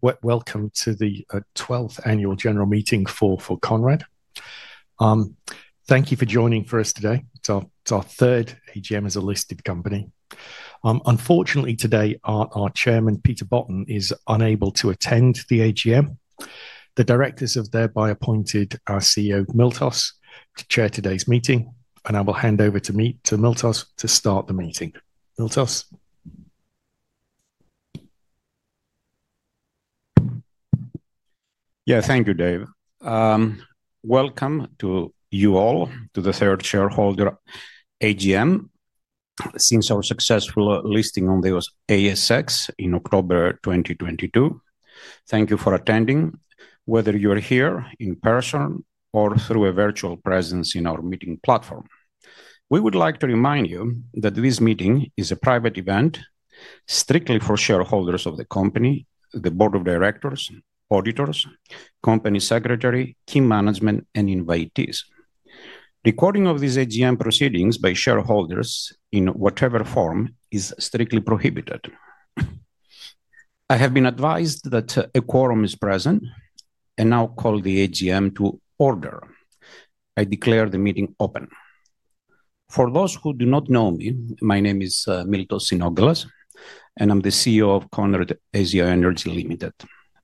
Welcome to the 12th Annual General Meeting for Conrad. Thank you for joining for us today. It's our third AGM as a listed company. Unfortunately, today our Chairman, Peter Botten, is unable to attend the AGM. The directors have thereby appointed our CEO, Miltos, to chair today's meeting, and I will hand over to Miltos to start the meeting. Miltos. Yeah, thank you, Dave. Welcome to you all to the third shareholder AGM since our successful listing on the ASX in October 2022. Thank you for attending, whether you are here in person or through a virtual presence in our meeting platform. We would like to remind you that this meeting is a private event strictly for shareholders of the company, the board of directors, auditors, company secretary, key management, and invitees. Recording of these AGM proceedings by shareholders in whatever form is strictly prohibited. I have been advised that a quorum is present, and now call the AGM to order. I declare the meeting open. For those who do not know me, my name is Miltos Xynogalas, and I'm the CEO of Conrad Asia Energy Limited.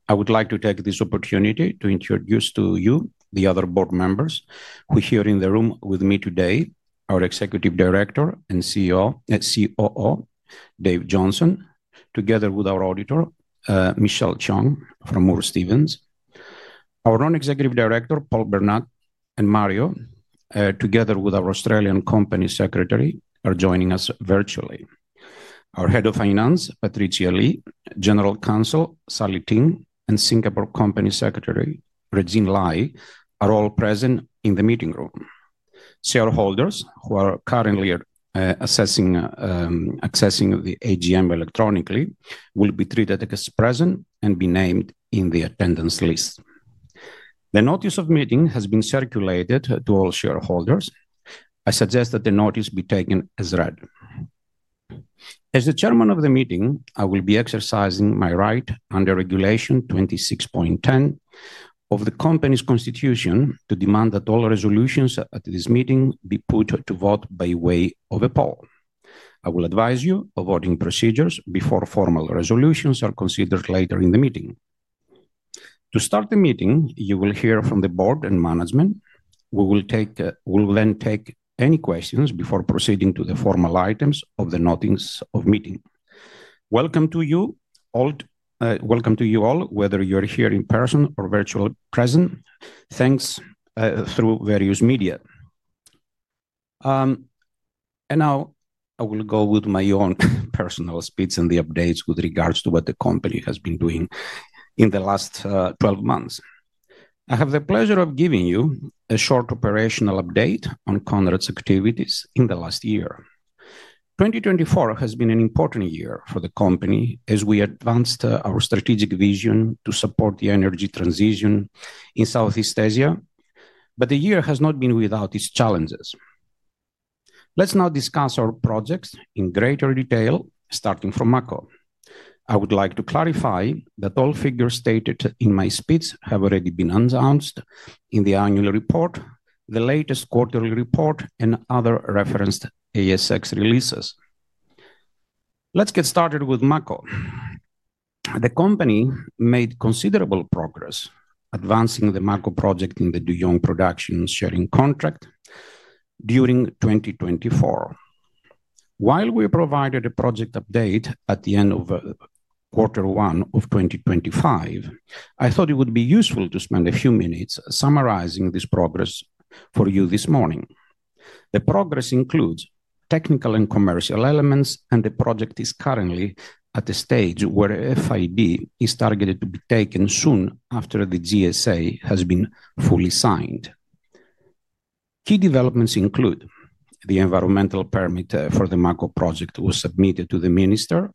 I would like to take this opportunity to introduce to you the other board members who are here in the room with me today: our Executive Director and COO, Dave Johnson, together with our auditor, Michelle Chang from Moore Stephens. Our Non-Executive Director, Paul Bernard, and Mario, together with our Australian Company Secretary, are joining us virtually. Our Head of Finance, Patricia Lee, General Counsel, Sally Ting, and Singapore Company Secretary, Regine Lai, are all present in the meeting room. Shareholders who are currently accessing the AGM electronically will be treated as present and be named in the attendance list. The notice of meeting has been circulated to all shareholders. I suggest that the notice be taken as read. As the Chairman of the meeting, I will be exercising my right under Regulation 26.10 of the company's constitution to demand that all resolutions at this meeting be put to vote by way of a poll. I will advise you of voting procedures before formal resolutions are considered later in the meeting. To start the meeting, you will hear from the board and management. We will then take any questions before proceeding to the formal items of the notice of meeting. Welcome to you all, whether you are here in person or virtually present, thanks through various media. Now I will go with my own personal speech and the updates with regards to what the company has been doing in the last 12 months. I have the pleasure of giving you a short operational update on Conrad's activities in the last year.2024 has been an important year for the company as we advanced our strategic vision to support the energy transition in Southeast Asia, but the year has not been without its challenges. Let's now discuss our projects in greater detail, starting from Mako. I would like to clarify that all figures stated in my speech have already been announced in the annual report, the latest quarterly report, and other referenced ASX releases. Let's get started with Mako. The company made considerable progress advancing the Mako project in the Duyung Production Sharing Contract during 2024. While we provided a project update at the end of quarter one of 2025, I thought it would be useful to spend a few minutes summarizing this progress for you this morning. The progress includes technical and commercial elements, and the project is currently at a stage where FID is targeted to be taken soon after the GSA has been fully signed. Key developments include the environmental permit for the Mako Project was submitted to the Minister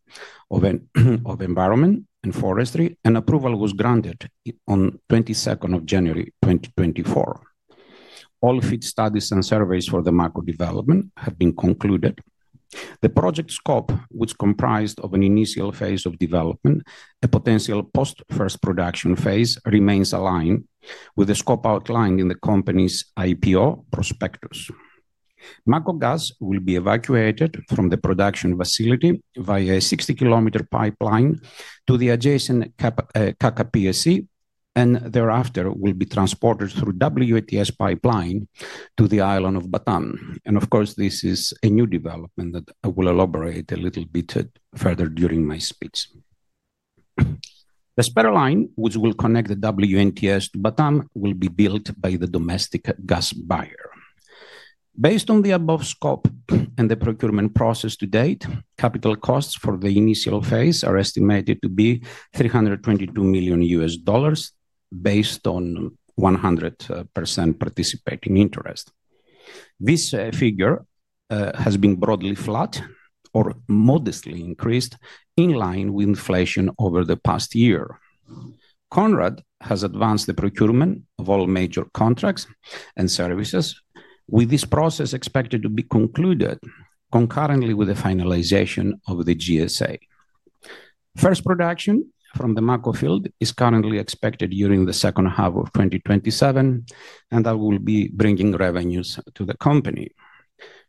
of Environment and Forestry, and approval was granted on 22nd of January, 2024. All FEED studies and surveys for the Mako development have been concluded. The project scope, which comprised an initial phase of development, a potential post-first production phase, remains aligned with the scope outlined in the company's IPO pr8ospectus. Mako gas will be evacuated from the production facility via a 60 km pipeline to the adjacent Kakap PSC, and thereafter will be transported through WNTS pipeline to the island of Batam. Of course, this is a new development that I will elaborate a little bit further during my speech. The spare line, which will connect the WNTS to Batam, will be built by the domestic gas buyer. Based on the above scope and the procurement process to date, capital costs for the initial phase are estimated to be $322 million based on 100% participating interest. This figure has been broadly flat or modestly increased in line with inflation over the past year. Conrad has advanced the procurement of all major contracts and services, with this process expected to be concluded concurrently with the finalization of the GSA. First production from the Mako field is currently expected during the second half of 2027, and that will be bringing revenues to the company.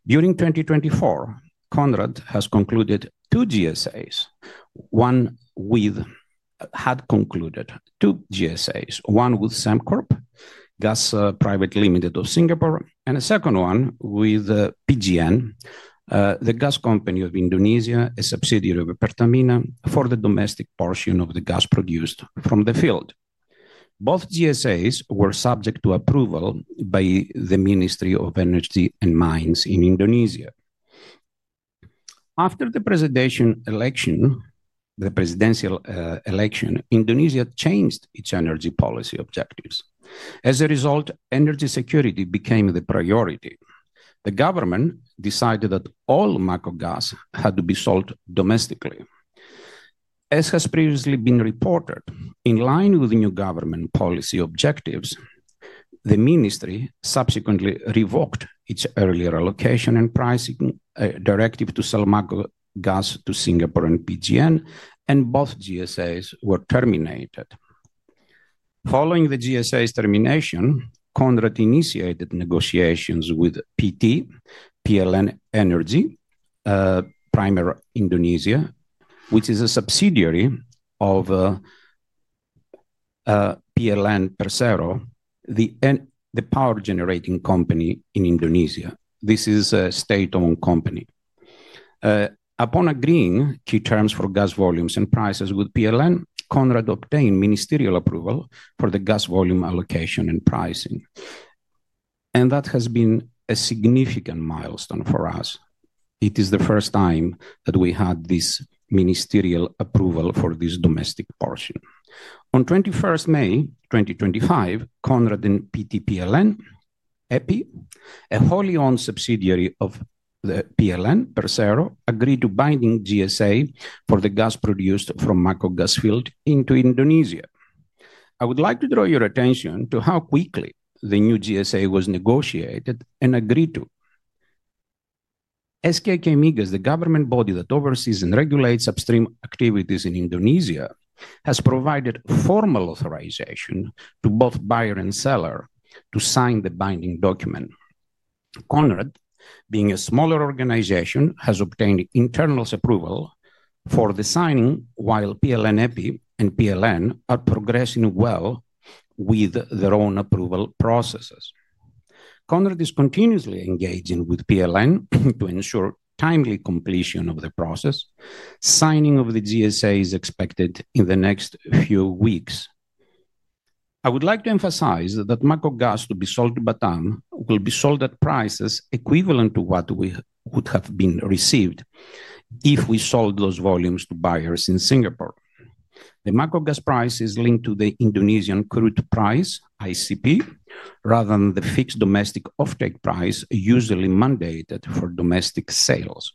During 2024, Conrad has concluded two GSAs, one with Samcorp Gas Private Limited of Singapore, and a second one with PGN, the gas company of Indonesia, a subsidiary of Pertamina, for the domestic portion of the gas produced from the field. Both GSAs were subject to approval by the Ministry of Energy and Mines in Indonesia. After the presidential election, Indonesia changed its energy policy objectives. As a result, energy security became the priority. The government decided that all Mako gas had to be sold domestically. As has previously been reported, in line with new government policy objectives, the ministry subsequently revoked its earlier allocation and pricing directive to sell Mako gas to Singapore and PGN, and both GSAs were terminated. Following the GSA's termination, Conrad initiated negotiations with PT PLN Energi Primer Indonesia, which is a subsidiary of PT PLN (Persero), the power generating company in Indonesia. This is a state-owned company. Upon agreeing key terms for gas volumes and prices with PLN, Conrad obtained ministerial approval for the gas volume allocation and pricing. That has been a significant milestone for us. It is the first time that we had this ministerial approval for this domestic portion. On 21st May 2025, Conrad and PT PLN EPI, a wholly owned subsidiary of PT PLN (Persero), agreed to a binding GSA for the gas produced from the Mako gas field into Indonesia. I would like to draw your attention to how quickly the new GSA was negotiated and agreed to. SKK Migas, the government body that oversees and regulates upstream activities in Indonesia, has provided formal authorization to both buyer and seller to sign the binding document. Conrad, being a smaller organization, has obtained internal approval for the signing, while PLN EPI and PLN are progressing well with their own approval processes. Conrad is continuously engaging with PLN to ensure timely completion of the process. Signing of the GSA is expected in the next few weeks. I would like to emphasize that Mako gas to be sold to Batam will be sold at prices equivalent to what we would have received if we sold those volumes to buyers in Singapore. The Mako gas price is linked to the Indonesian crude price, ICP, rather than the fixed domestic offtake price usually mandated for domestic sales.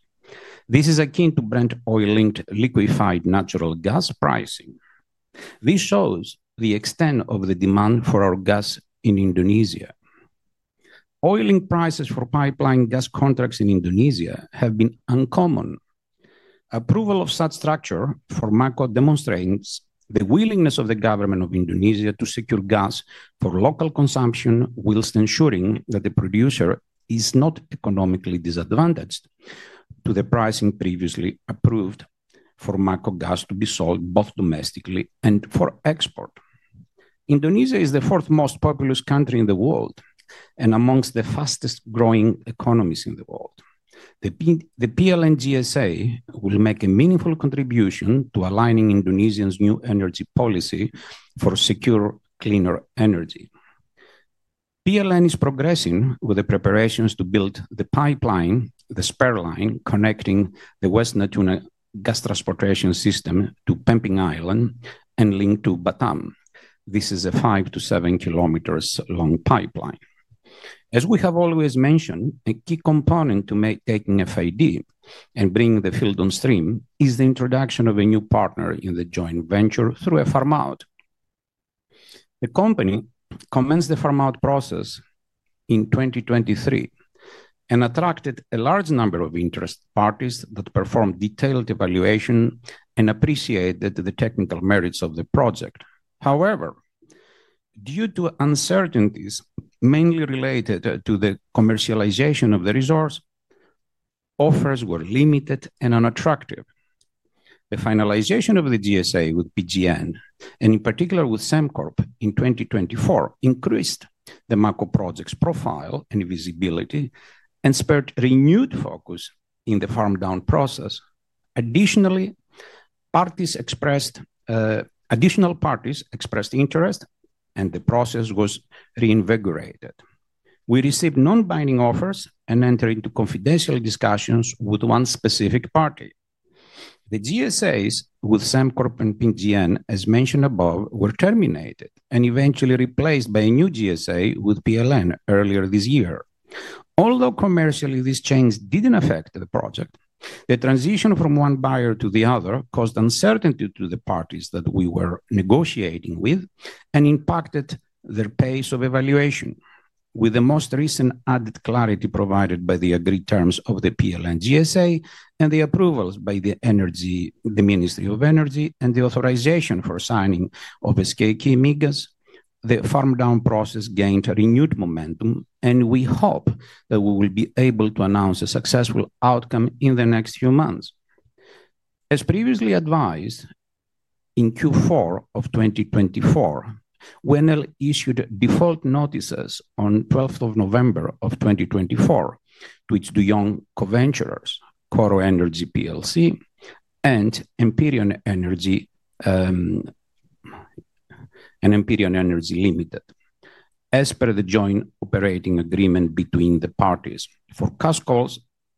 This is akin to Brent oil-linked liquefied natural gas pricing. This shows the extent of the demand for our gas in Indonesia. Oil-linked prices for pipeline gas contracts in Indonesia have been uncommon. Approval of such structure for Mako demonstrates the willingness of the government of Indonesia to secure gas for local consumption whilst ensuring that the producer is not economically disadvantaged to the pricing previously approved for Mako gas to be sold both domestically and for export. Indonesia is the fourth most populous country in the world and amongst the fastest growing economies in the world. The PLN GSA will make a meaningful contribution to aligning Indonesia's new energy policy for secure, cleaner energy. PLN is progressing with the preparations to build the pipeline, the spare line connecting the West Natuna gas transportation system to Pemping Island and link to Batam. This is a five- to seven-kilometer long pipeline. As we have always mentioned, a key component to making FID and bringing the field on stream is the introduction of a new partner in the joint venture through a farm out. The company commenced the farm out process in 2023 and attracted a large number of interested parties that performed detailed evaluation and appreciated the technical merits of the project. However, due to uncertainties mainly related to the commercialization of the resource, offers were limited and unattractive. The finalization of the GSA with PGN, and in particular with Samcorp Gas Private Limited in 2024, increased the Mako project's profile and visibility and spurred renewed focus in the farm down process. Additionally, parties expressed interest, and the process was reinvigorated. We received non-binding offers and entered into confidential discussions with one specific party. The GSAs with Samcorp Gas and PGN, as mentioned above, were terminated and eventually replaced by a new GSA with PLN earlier this year. Although commercially this change did not affect the project, the transition from one buyer to the other caused uncertainty to the parties that we were negotiating with and impacted their pace of evaluation. With the most recent added clarity provided by the agreed terms of the PLN GSA and the approvals by the Ministry of Energy and the authorization for signing of SKK Migas, the farm down process gained renewed momentum, and we hope that we will be able to announce a successful outcome in the next few months. As previously advised, in Q4 of 2024, West Natuna Exploration Limited issued default notices on November 12, 2024 to its Duyung co-venturers, Coro Energy PLC and Empyrean Energy Limited, as per the joint operating agreement between the parties. For cash calls,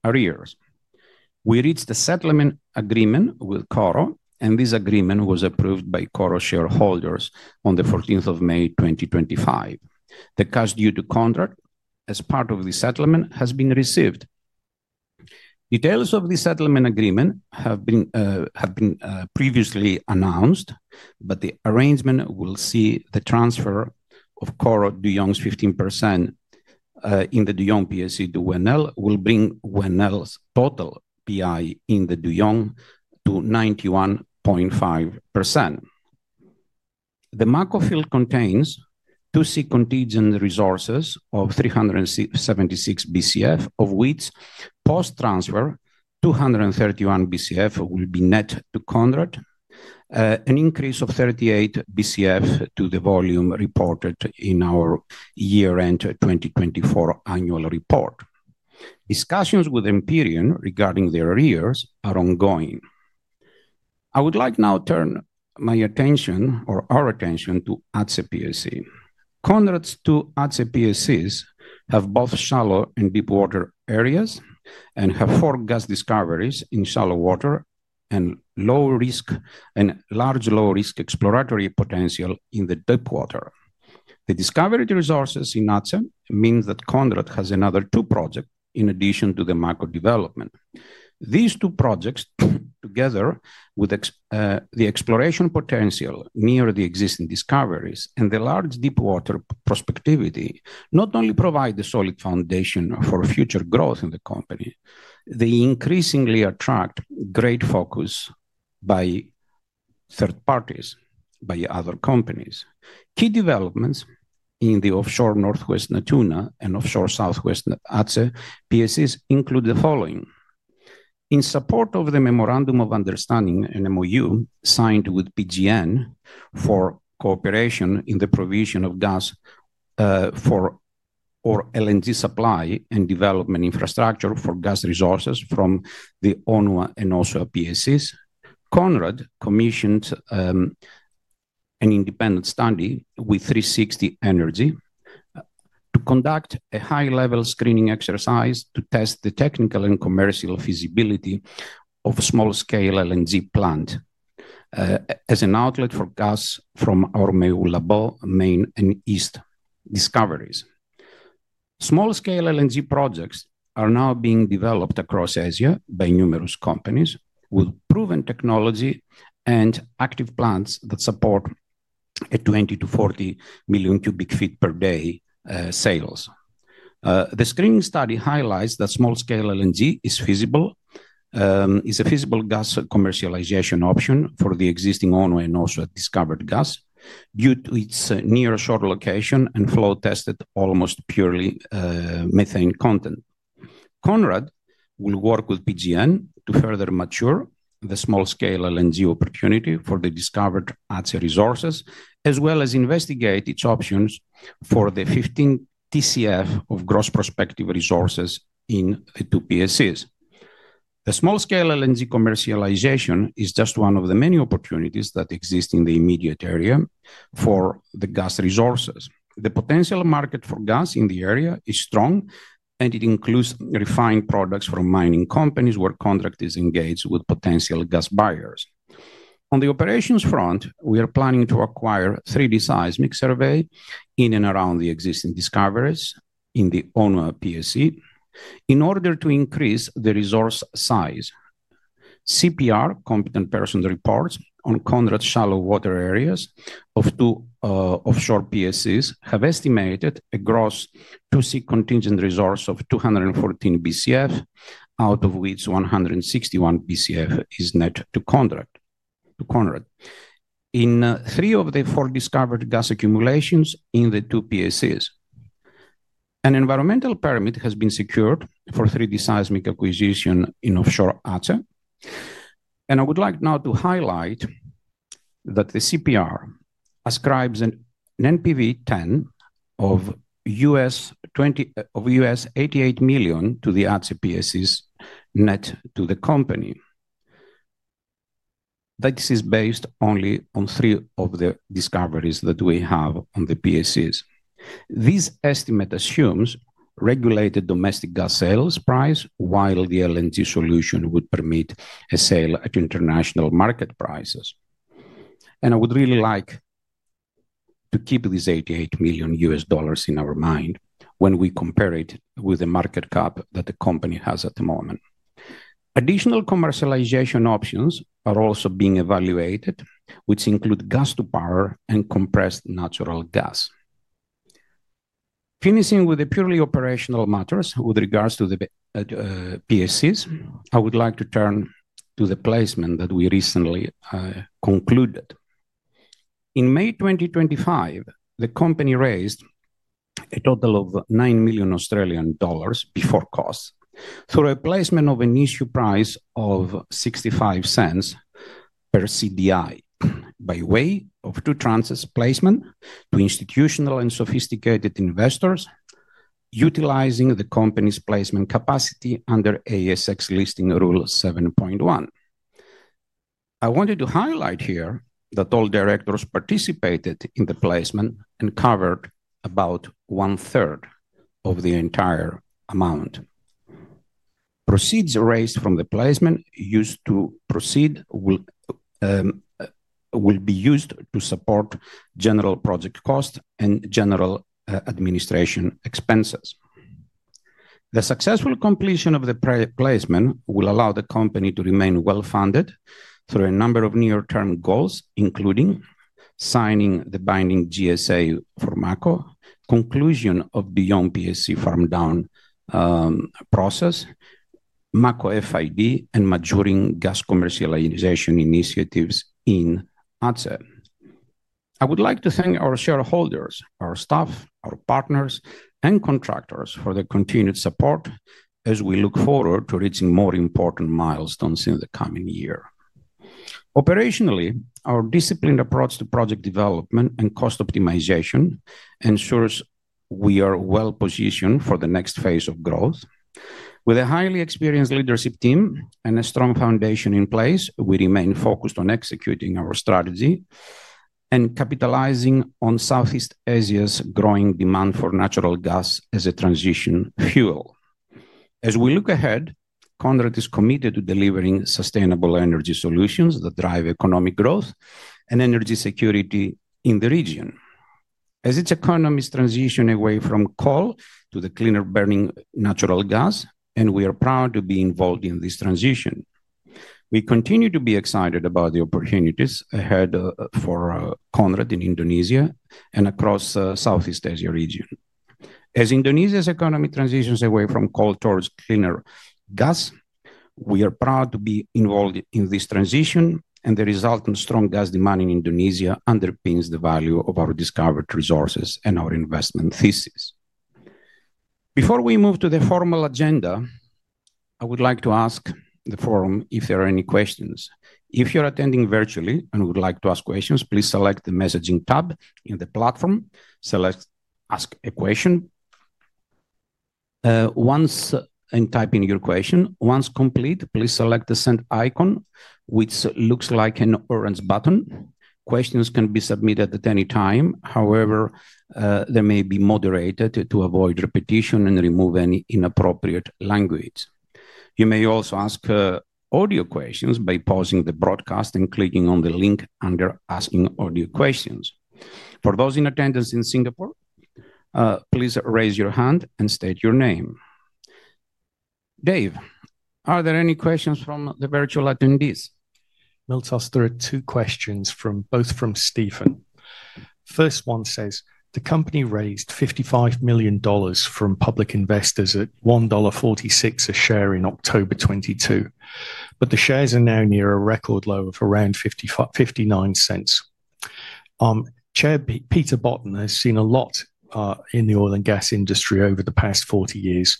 arrears. We reached a settlement agreement with Coro, and this agreement was approved by Coro shareholders on the 14th of May 2025. The cash due to contract as part of the settlement has been received. Details of the settlement agreement have been previously announced, but the arrangement will see the transfer of Coro Duyung's 15% in the Duyung PSC to WENEL will bring WENEL's total PI in the Duyung to 91.5%. The Mako field contains two sea contingent resources of 376 BCF, of which post-transfer 231 BCF will be net to Conrad, an increase of 38 BCF to the volume reported in our year-end 2024 annual report. Discussions with Empyrean regarding their arrears are ongoing. I would like now to turn my attention or our attention to ATSE PSC.Conrad's two ATSE PSCs have both shallow and deep water areas and have four gas discoveries in shallow water and low risk and large low risk exploratory potential in the deep water. The discovery resources in ATSE mean that Conrad has another two projects in addition to the Mako development. These two projects, together with the exploration potential near the existing discoveries and the large deep water prospectivity, not only provide the solid foundation for future growth in the company, they increasingly attract great focus by third parties, by other companies. Key developments in the offshore Northwest Natuna and offshore Southwest ATSE PSCs include the following. In support of the Memorandum of Understanding, an MOU signed with PGN for cooperation in the provision of gas for or LNG supply and development infrastructure for gas resources from the ONWA and OSWA PSCs, Conrad commissioned an independent study with 360 Energy to conduct a high-level screening exercise to test the technical and commercial feasibility of a small-scale LNG plant as an outlet for gas from our main, main and east discoveries. Small-scale LNG projects are now being developed across Asia by numerous companies with proven technology and active plants that support a 20-40 million cubic feet per day sales. The screening study highlights that small-scale LNG is feasible, is a feasible gas commercialization option for the existing ONWA and OSWA discovered gas due to its near-shore location and flow tested almost purely methane content. Conrad will work with PGN to further mature the small-scale LNG opportunity for the discovered ATSE resources, as well as investigate its options for the 15 TCF of gross prospective resources in the two PSCs. The small-scale LNG commercialization is just one of the many opportunities that exist in the immediate area for the gas resources. The potential market for gas in the area is strong, and it includes refined products from mining companies where contract is engaged with potential gas buyers. On the operations front, we are planning to acquire 3D seismic survey in and around the existing discoveries in the ONWA PSC in order to increase the resource size. CPR, Competent Person Reports on Conrad's shallow water areas of two offshore PSCs have estimated a gross 2C contingent resource of 214 BCF, out of which 161 BCF is net to Conrad. In three of the four discovered gas accumulations in the two PSCs, an environmental permit has been secured for 3D seismic acquisition in offshore ATSE. I would like now to highlight that the CPR ascribes an NPV10 of $88 million to the ATSE PSCs net to the company. That is based only on three of the discoveries that we have on the PSCs. This estimate assumes regulated domestic gas sales price, while the LNG solution would permit a sale at international market prices. I would really like to keep these $88 million in our mind when we compare it with the market cap that the company has at the moment. Additional commercialization options are also being evaluated, which include gas to power and compressed natural gas. Finishing with the purely operational matters with regards to the PSCs, I would like to turn to the placement that we recently concluded. In May 2025, the company raised a total of 9 million Australian dollars before costs through a placement at an issue price of 0.65 per CDI by way of two tranches placement to institutional and sophisticated investors, utilizing the company's placement capacity under ASX Listing Rule 7.1. I wanted to highlight here that all directors participated in the placement and covered about one-third of the entire amount. Proceeds raised from the placement will be used to support general project costs and general administration expenses. The successful completion of the placement will allow the company to remain well-funded through a number of near-term goals, including signing the binding GSA for Mako, conclusion of Duyung PSC farm down process, Mako FID, and maturing gas commercialization initiatives in ATSE. I would like to thank our shareholders, our staff, our partners, and contractors for the continued support as we look forward to reaching more important milestones in the coming year. Operationally, our disciplined approach to project development and cost optimization ensures we are well-positioned for the next phase of growth. With a highly experienced leadership team and a strong foundation in place, we remain focused on executing our strategy and capitalizing on Southeast Asia's growing demand for natural gas as a transition fuel. As we look ahead, Conrad is committed to delivering sustainable energy solutions that drive economic growth and energy security in the region. As its economies transition away from coal to the cleaner burning natural gas, and we are proud to be involved in this transition. We continue to be excited about the opportunities ahead for Conrad in Indonesia and across the Southeast Asia region. As Indonesia's economy transitions away from coal towards cleaner gas, we are proud to be involved in this transition, and the resultant strong gas demand in Indonesia underpins the value of our discovered resources and our investment thesis. Before we move to the formal agenda, I would like to ask the forum if there are any questions. If you're attending virtually and would like to ask questions, please select the messaging tab in the platform. Select "Ask a Question." Once in typing your question, once complete, please select the send icon, which looks like an orange button. Questions can be submitted at any time. However, they may be moderated to avoid repetition and remove any inappropriate language. You may also ask audio questions by pausing the broadcast and clicking on the link under "Asking Audio Questions." For those in attendance in Singapore, please raise your hand and state your name. Dave, are there any questions from the virtual attendees? Miltos, there are two questions both from Stephen. First one says, "The company raised $55 million from public investors at $1.46 a share in October 2022, but the shares are now near a record low of around $0.59." Chair Peter Botten has seen a lot in the oil and gas industry over the past 40 years.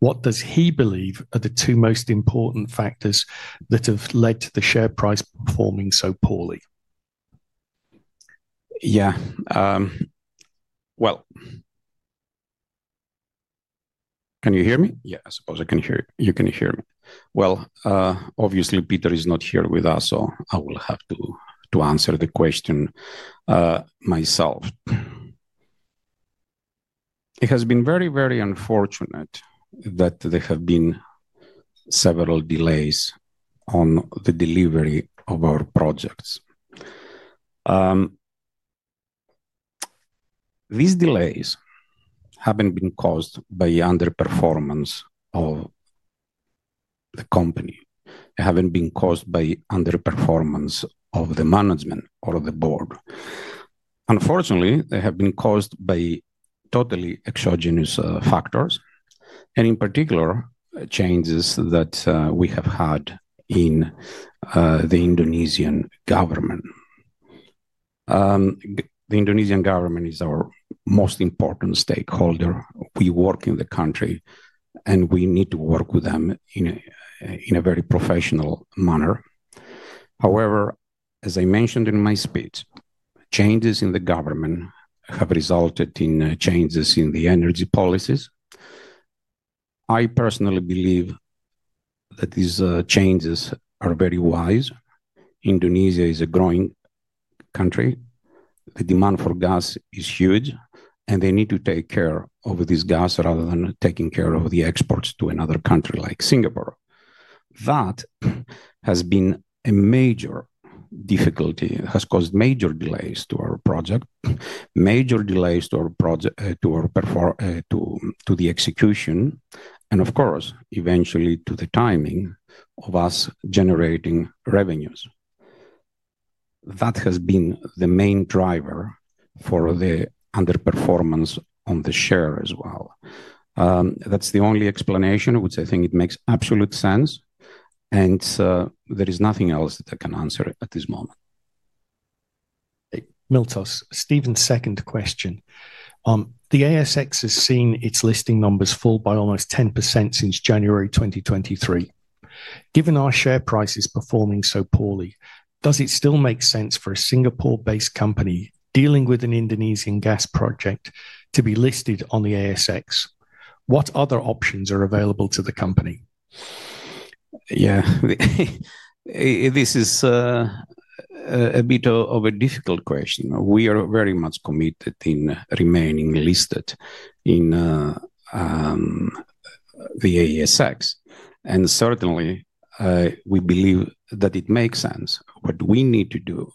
What does he believe are the two most important factors that have led to the share price performing so poorly? Yeah. Can you hear me? Yeah, I suppose I can hear you. You can hear me. Obviously, Peter is not here with us, so I will have to answer the question myself. It has been very, very unfortunate that there have been several delays on the delivery of our projects. These delays have not been caused by underperformance of the company. They have not been caused by underperformance of the management or the board. Unfortunately, they have been caused by totally exogenous factors, and in particular, changes that we have had in the Indonesian government. The Indonesian government is our most important stakeholder. We work in the country, and we need to work with them in a very professional manner. However, as I mentioned in my speech, changes in the government have resulted in changes in the energy policies. I personally believe that these changes are very wise. Indonesia is a growing country. The demand for gas is huge, and they need to take care of this gas rather than taking care of the exports to another country like Singapore. That has been a major difficulty. It has caused major delays to our project, to the execution, and of course, eventually to the timing of us generating revenues. That has been the main driver for the underperformance on the share as well. That's the only explanation, which I think makes absolute sense. There is nothing else that I can answer at this moment. Miltos, Stephen's second question. The ASX has seen its listing numbers fall by almost 10% since January 2023. Given our share price is performing so poorly, does it still make sense for a Singapore-based company dealing with an Indonesian gas project to be listed on the ASX? What other options are available to the company? Yeah, this is a bit of a difficult question. We are very much committed to remaining listed in the ASX. Certainly, we believe that it makes sense. What we need to do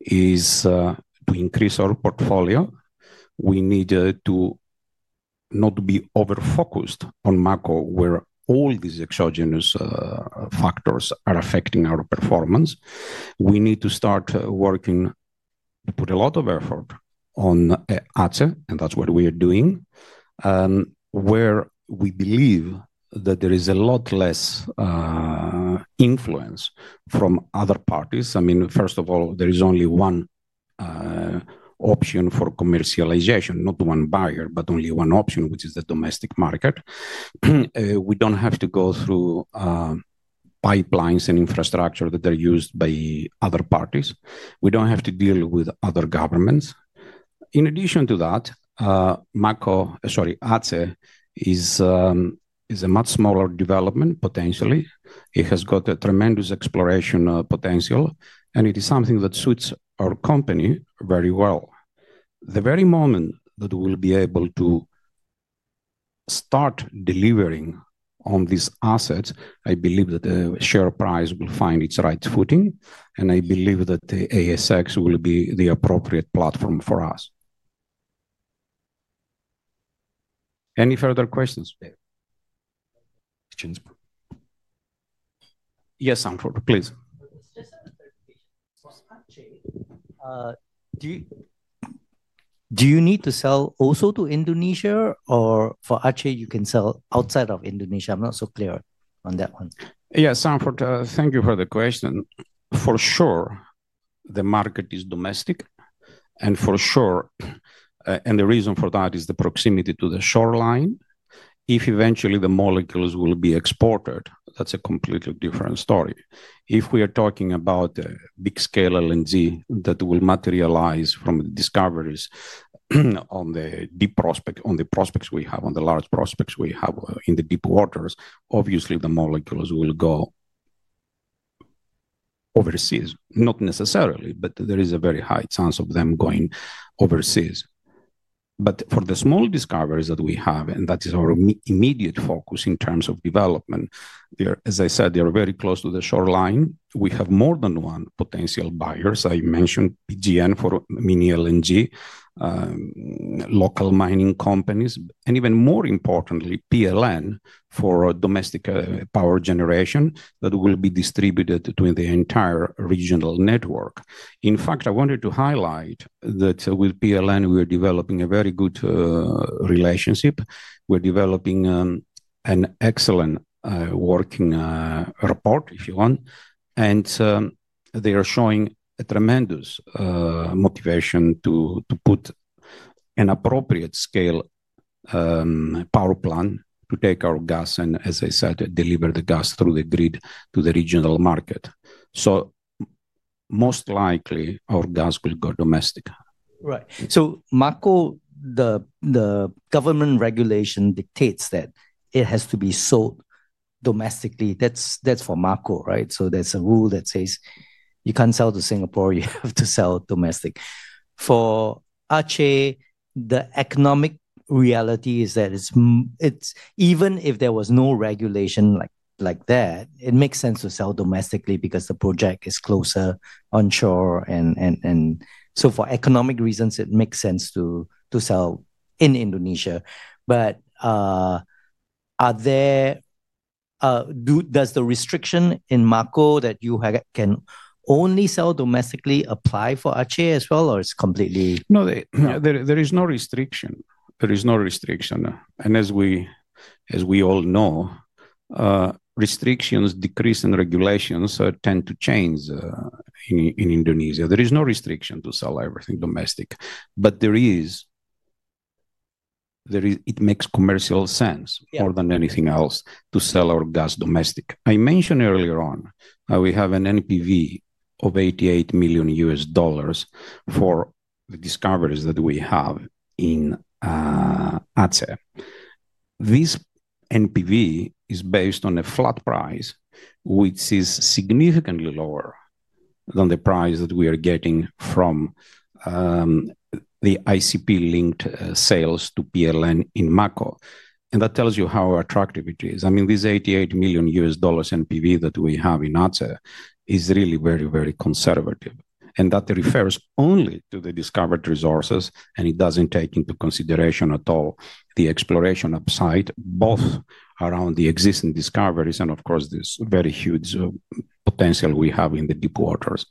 is to increase our portfolio. We need to not be over-focused on Mako, where all these exogenous factors are affecting our performance. We need to start working, put a lot of effort on ATSE, and that's what we are doing, where we believe that there is a lot less influence from other parties. I mean, first of all, there is only one option for commercialization, not one buyer, but only one option, which is the domestic market. We do not have to go through pipelines and infrastructure that are used by other parties. We do not have to deal with other governments. In addition to that, Mako, sorry, ATSE is a much smaller development potentially.It has got a tremendous exploration potential, and it is something that suits our company very well. The very moment that we will be able to start delivering on these assets, I believe that the share price will find its right footing, and I believe that the ASX will be the appropriate platform for us. Any further questions? Yes, please. Do you need to sell also to Indonesia, or for ATSE, you can sell outside of Indonesia? I'm not so clear on that one. Yes, thank you for the question. For sure, the market is domestic, and for sure, and the reason for that is the proximity to the shoreline. If eventually the molecules will be exported, that's a completely different story. If we are talking about a big-scale LNG that will materialize from the discoveries on the deep prospects we have, on the large prospects we have in the deep waters, obviously, the molecules will go overseas. Not necessarily, but there is a very high chance of them going overseas. For the small discoveries that we have, and that is our immediate focus in terms of development, as I said, they are very close to the shoreline. We have more than one potential buyer. As I mentioned, PGN for mini LNG, local mining companies, and even more importantly, PLN for domestic power generation that will be distributed to the entire regional network. In fact, I wanted to highlight that with PLN, we are developing a very good relationship. We're developing an excellent working report, if you want. They are showing a tremendous motivation to put an appropriate scale power plant to take our gas and, as I said, deliver the gas through the grid to the regional market. Most likely, our gas will go domestic. Right. Mako, the government regulation dictates that it has to be sold domestically. That is for Mako, right? There is a rule that says you cannot sell to Singapore. You have to sell domestic. For ATSE, the economic reality is that even if there was no regulation like that, it makes sense to sell domestically because the project is closer on shore. For economic reasons, it makes sense to sell in Indonesia. Does the restriction in Mako that you can only sell domestically apply for ATSE as well, or is it completely —no, there is no restriction. There is no restriction. As we all know, restrictions, decrease, and regulations tend to change in Indonesia. There is no restriction to sell everything domestic. It makes commercial sense more than anything else to sell our gas domestic. I mentioned earlier on, we have an NPV of $88 million for the discoveries that we have in ATSE. This NPV is based on a flat price, which is significantly lower than the price that we are getting from the ICP-linked sales to PLN in Mako. That tells you how attractive it is. I mean, this $88 million NPV that we have in ATSE is really very, very conservative. That refers only to the discovered resources, and it does not take into consideration at all the exploration upside, both around the existing discoveries and, of course, this very huge potential we have in the deep waters.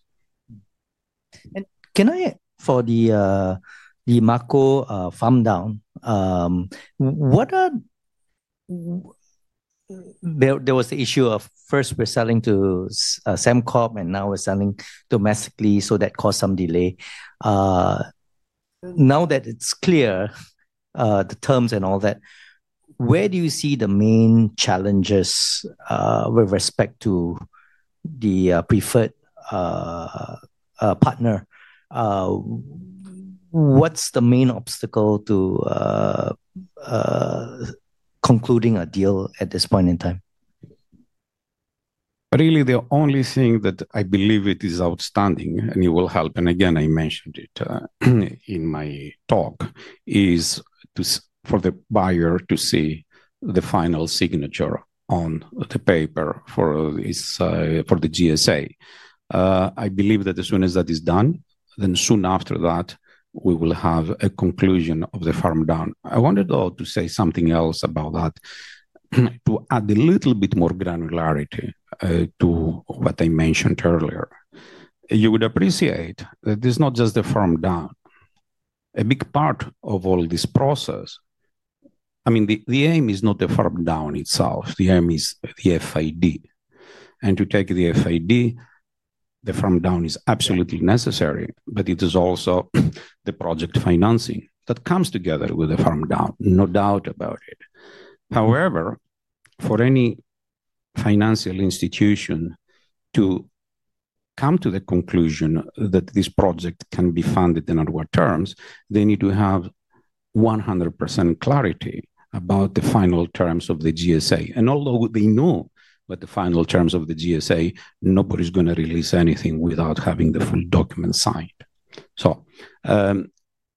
Can I.For the Mako farm down, there was the issue of first we're selling to Samcorp, and now we're selling domestically, so that caused some delay. Now that it's clear, the terms and all that, where do you see the main challenges with respect to the preferred partner? What's the main obstacle to concluding a deal at this point in time? Really, the only thing that I believe is outstanding, and it will help, and again, I mentioned it in my talk, is for the buyer to see the final signature on the paper for the GSA. I believe that as soon as that is done, then soon after that, we will have a conclusion of the farm down. I wanted to say something else about that, to add a little bit more granularity to what I mentioned earlier. You would appreciate that it's not just the farm down. A big part of all this process, I mean, the aim is not the farm down itself. The aim is the FID. To take the FID, the farm down is absolutely necessary, but it is also the project financing that comes together with the farm down, no doubt about it. However, for any financial institution to come to the conclusion that this project can be funded under what terms, they need to have 100% clarity about the final terms of the GSA. Although they know what the final terms of the GSA are, nobody's going to release anything without having the full document signed.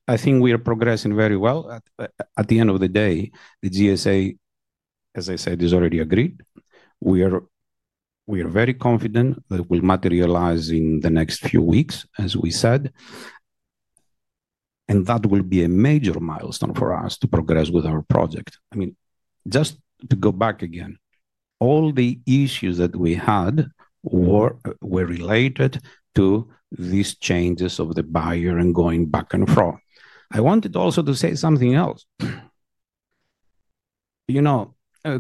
I think we are progressing very well. At the end of the day, the GSA, as I said, is already agreed. We are very confident that it will materialize in the next few weeks, as we said. That will be a major milestone for us to progress with our project. I mean, just to go back again, all the issues that we had were related to these changes of the buyer and going back and forth. I wanted also to say something else.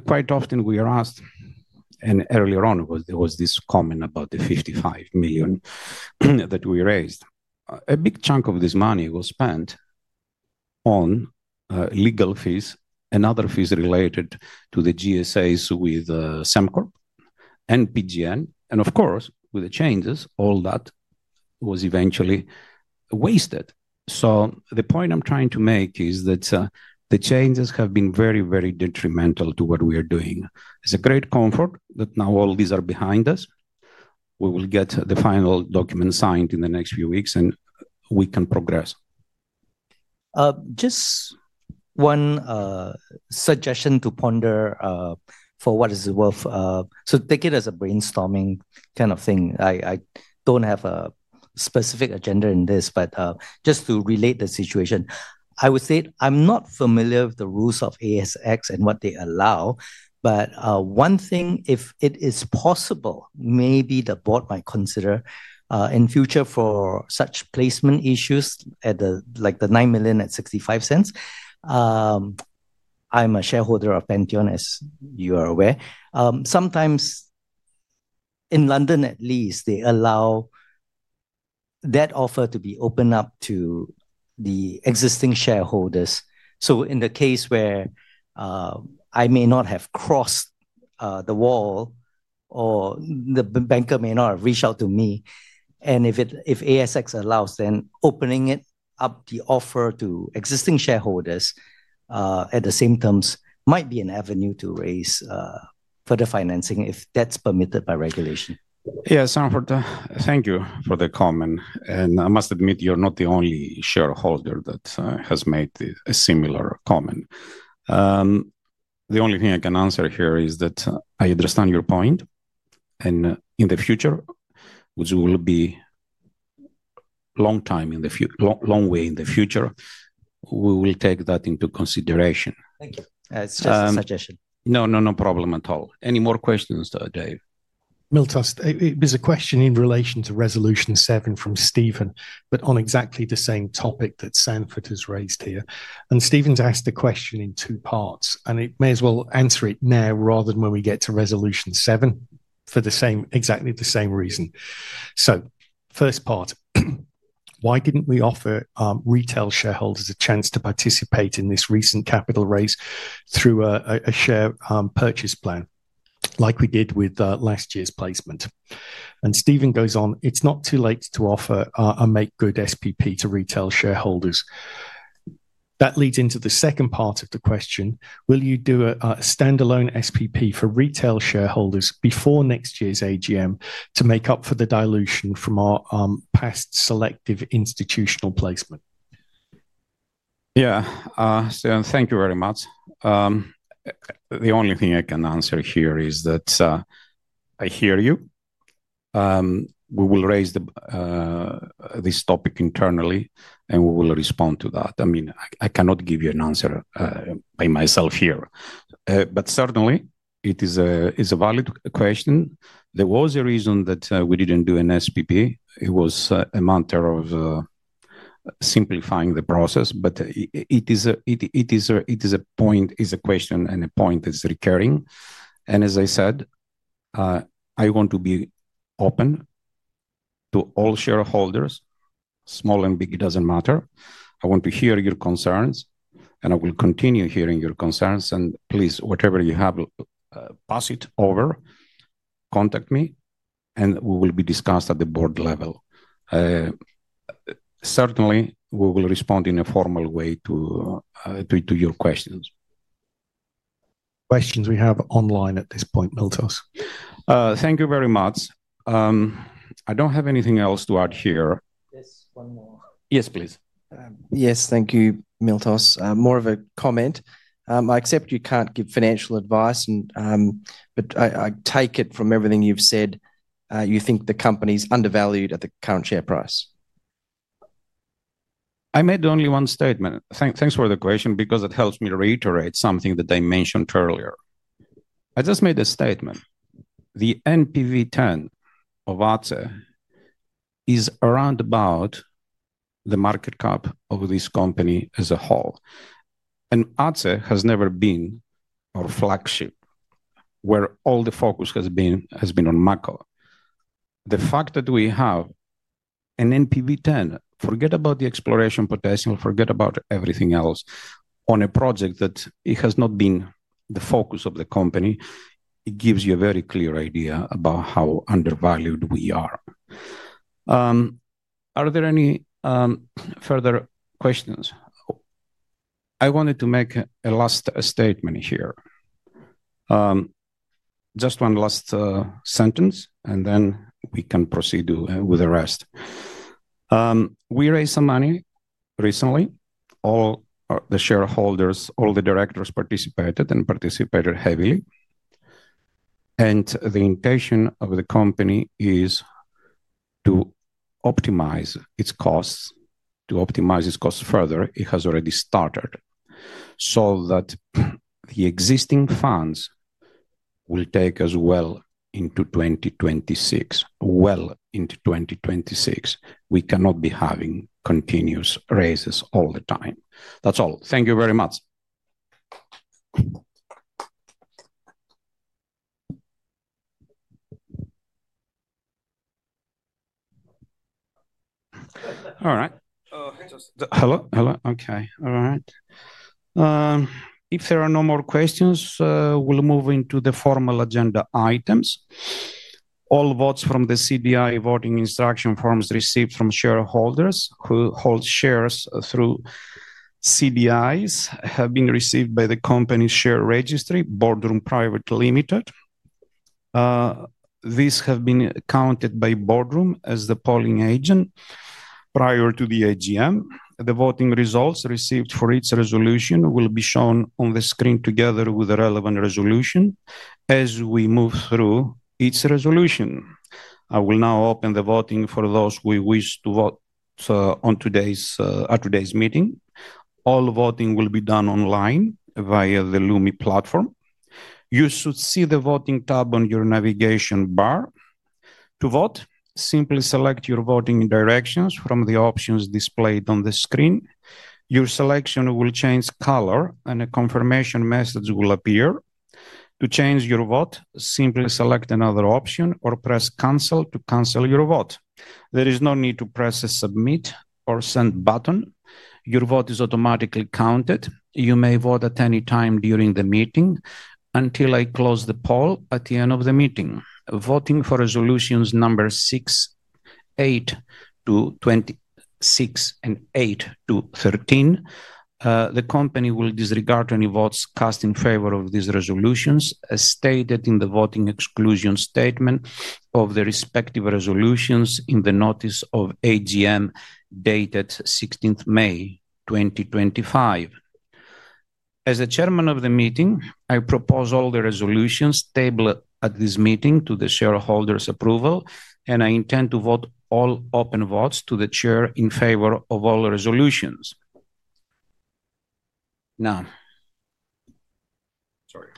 Quite often, we are asked, and earlier on, there was this comment about the $55 million that we raised. A big chunk of this money was spent on legal fees and other fees related to the GSAs with Sembcorp and PGN. Of course, with the changes, all that was eventually wasted. The point I am trying to make is that the changes have been very, very detrimental to what we are doing. It is a great comfort that now all these are behind us. We will get the final document signed in the next few weeks, and we can progress. Just one suggestion to ponder for what it's worth. Take it as a brainstorming kind of thing. I don't have a specific agenda in this, but just to relate the situation, I would say I'm not familiar with the rules of ASX and what they allow. One thing, if it is possible, maybe the board might consider in future for such placement issues at the 9.65. I'm a shareholder of Pantheon, as you are aware. Sometimes, in London at least, they allow that offer to be opened up to the existing shareholders. In the case where I may not have crossed the wall or the banker may not have reached out to me, and if ASX allows, then opening it up, the offer to existing shareholders at the same terms might be an avenue to raise further financing if that's permitted by regulation. Yes, thank you for the comment. I must admit you're not the only shareholder that has made a similar comment. The only thing I can answer here is that I understand your point. In the future, which will be a long time in the future, a long way in the future, we will take that into consideration. Thank you. It's just a suggestion. No, no problem at all. Any more questions, Dave? Miltos, there's a question in relation to Resolution 7 from Stephen, but on exactly the same topic that Sanford has raised here. Stephen's asked the question in two parts, and it may as well answer it now rather than when we get to Resolution 7 for exactly the same reason. First part, why didn't we offer retail shareholders a chance to participate in this recent capital raise through a share purchase plan like we did with last year's placement? Stephen goes on, it's not too late to offer a make good SPP to retail shareholders. That leads into the second part of the question. Will you do a standalone SPP for retail shareholders before next year's AGM to make up for the dilution from our past selective institutional placement? Yeah, thank you very much. The only thing I can answer here is that I hear you. We will raise this topic internally, and we will respond to that. I mean, I cannot give you an answer by myself here. Certainly, it is a valid question. There was a reason that we didn't do an SPP.It was a matter of simplifying the process, but it is a point, is a question, and a point that's recurring. As I said, I want to be open to all shareholders, small and big, it doesn't matter. I want to hear your concerns, and I will continue hearing your concerns. Please, whatever you have, pass it over, contact me, and we will be discussed at the board level. Certainly, we will respond in a formal way to your questions. Questions we have online at this point, Miltos. Thank you very much. I don't have anything else to add here. Yes, one more. Yes, please. Yes, thank you, Miltos. More of a comment. I accept you can't give financial advice, but I take it from everything you've said, you think the company is undervalued at the current share price. I made only one statement. Thanks for the question because it helps me reiterate something that I mentioned earlier. I just made a statement. The NPV10 of ATSE is around about the market cap of this company as a whole. And ATSE has never been our flagship, where all the focus has been on Mako. The fact that we have an NPV10, forget about the exploration potential, forget about everything else, on a project that has not been the focus of the company, it gives you a very clear idea about how undervalued we are. Are there any further questions? I wanted to make a last statement here. Just one last sentence, and then we can proceed with the rest. We raised some money recently. All the shareholders, all the directors participated and participated heavily. The intention of the company is to optimize its costs, to optimize its costs further.It has already started so that the existing funds will take us well into 2026, well into 2026. We cannot be having continuous raises all the time. That's all. Thank you very much. All right. Hello. Hello. Okay. All right. If there are no more questions, we'll move into the formal agenda items. All votes from the CDI voting instruction forms received from shareholders who hold shares through CDIs have been received by the company's share registry, Boardroom Private Limited. These have been counted by Boardroom as the polling agent prior to the AGM. The voting results received for each resolution will be shown on the screen together with the relevant resolution as we move through each resolution. I will now open the voting for those who wish to vote at today's meeting. All voting will be done online via the Lumi platform. You should see the voting tab on your navigation bar. To vote, simply select your voting directions from the options displayed on the screen. Your selection will change color, and a confirmation message will appear. To change your vote, simply select another option or press cancel to cancel your vote. There is no need to press a submit or send button. Your vote is automatically counted. You may vote at any time during the meeting until I close the poll at the end of the meeting. Voting for resolutions number 6,8 to 26 and 8 to 13, the company will disregard any votes cast in favor of these resolutions as stated in the voting exclusion statement of the respective resolutions in the notice of AGM dated 16th May 2025. As the Chairman of the meeting, I propose all the resolutions tabled at this meeting to the shareholders' approval, and I intend to vote all open votes to the Chair in favor of all resolutions. Now. Sorry.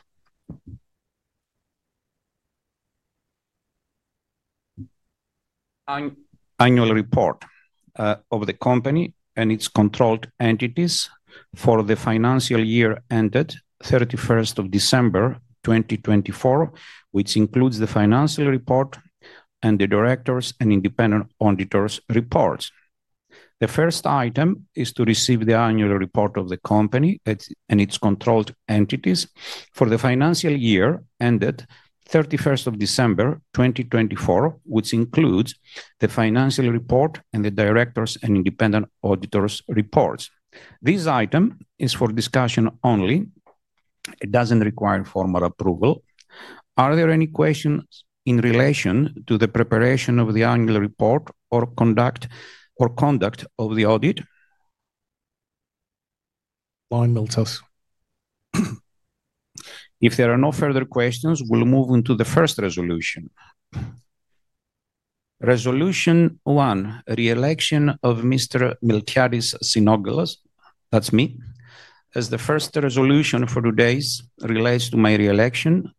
Annual report of the company and its controlled entities for the financial year ended 31st of December 2024, which includes the financial report and the directors' and independent auditors' reports. The first item is to receive the annual report of the company and its controlled entities for the financial year ended 31st of December 2024, which includes the financial report and the directors' and independent auditors' reports. This item is for discussion only. It doesn't require formal approval. Are there any questions in relation to the preparation of the annual report or conduct of the audit? Fine, Miltos. If there are no further questions, we'll move into the first resolution. Resolution 1, re-election of Mr. Miltiadis Sinogulos. That's me. As the first resolution for today relates to my re-election,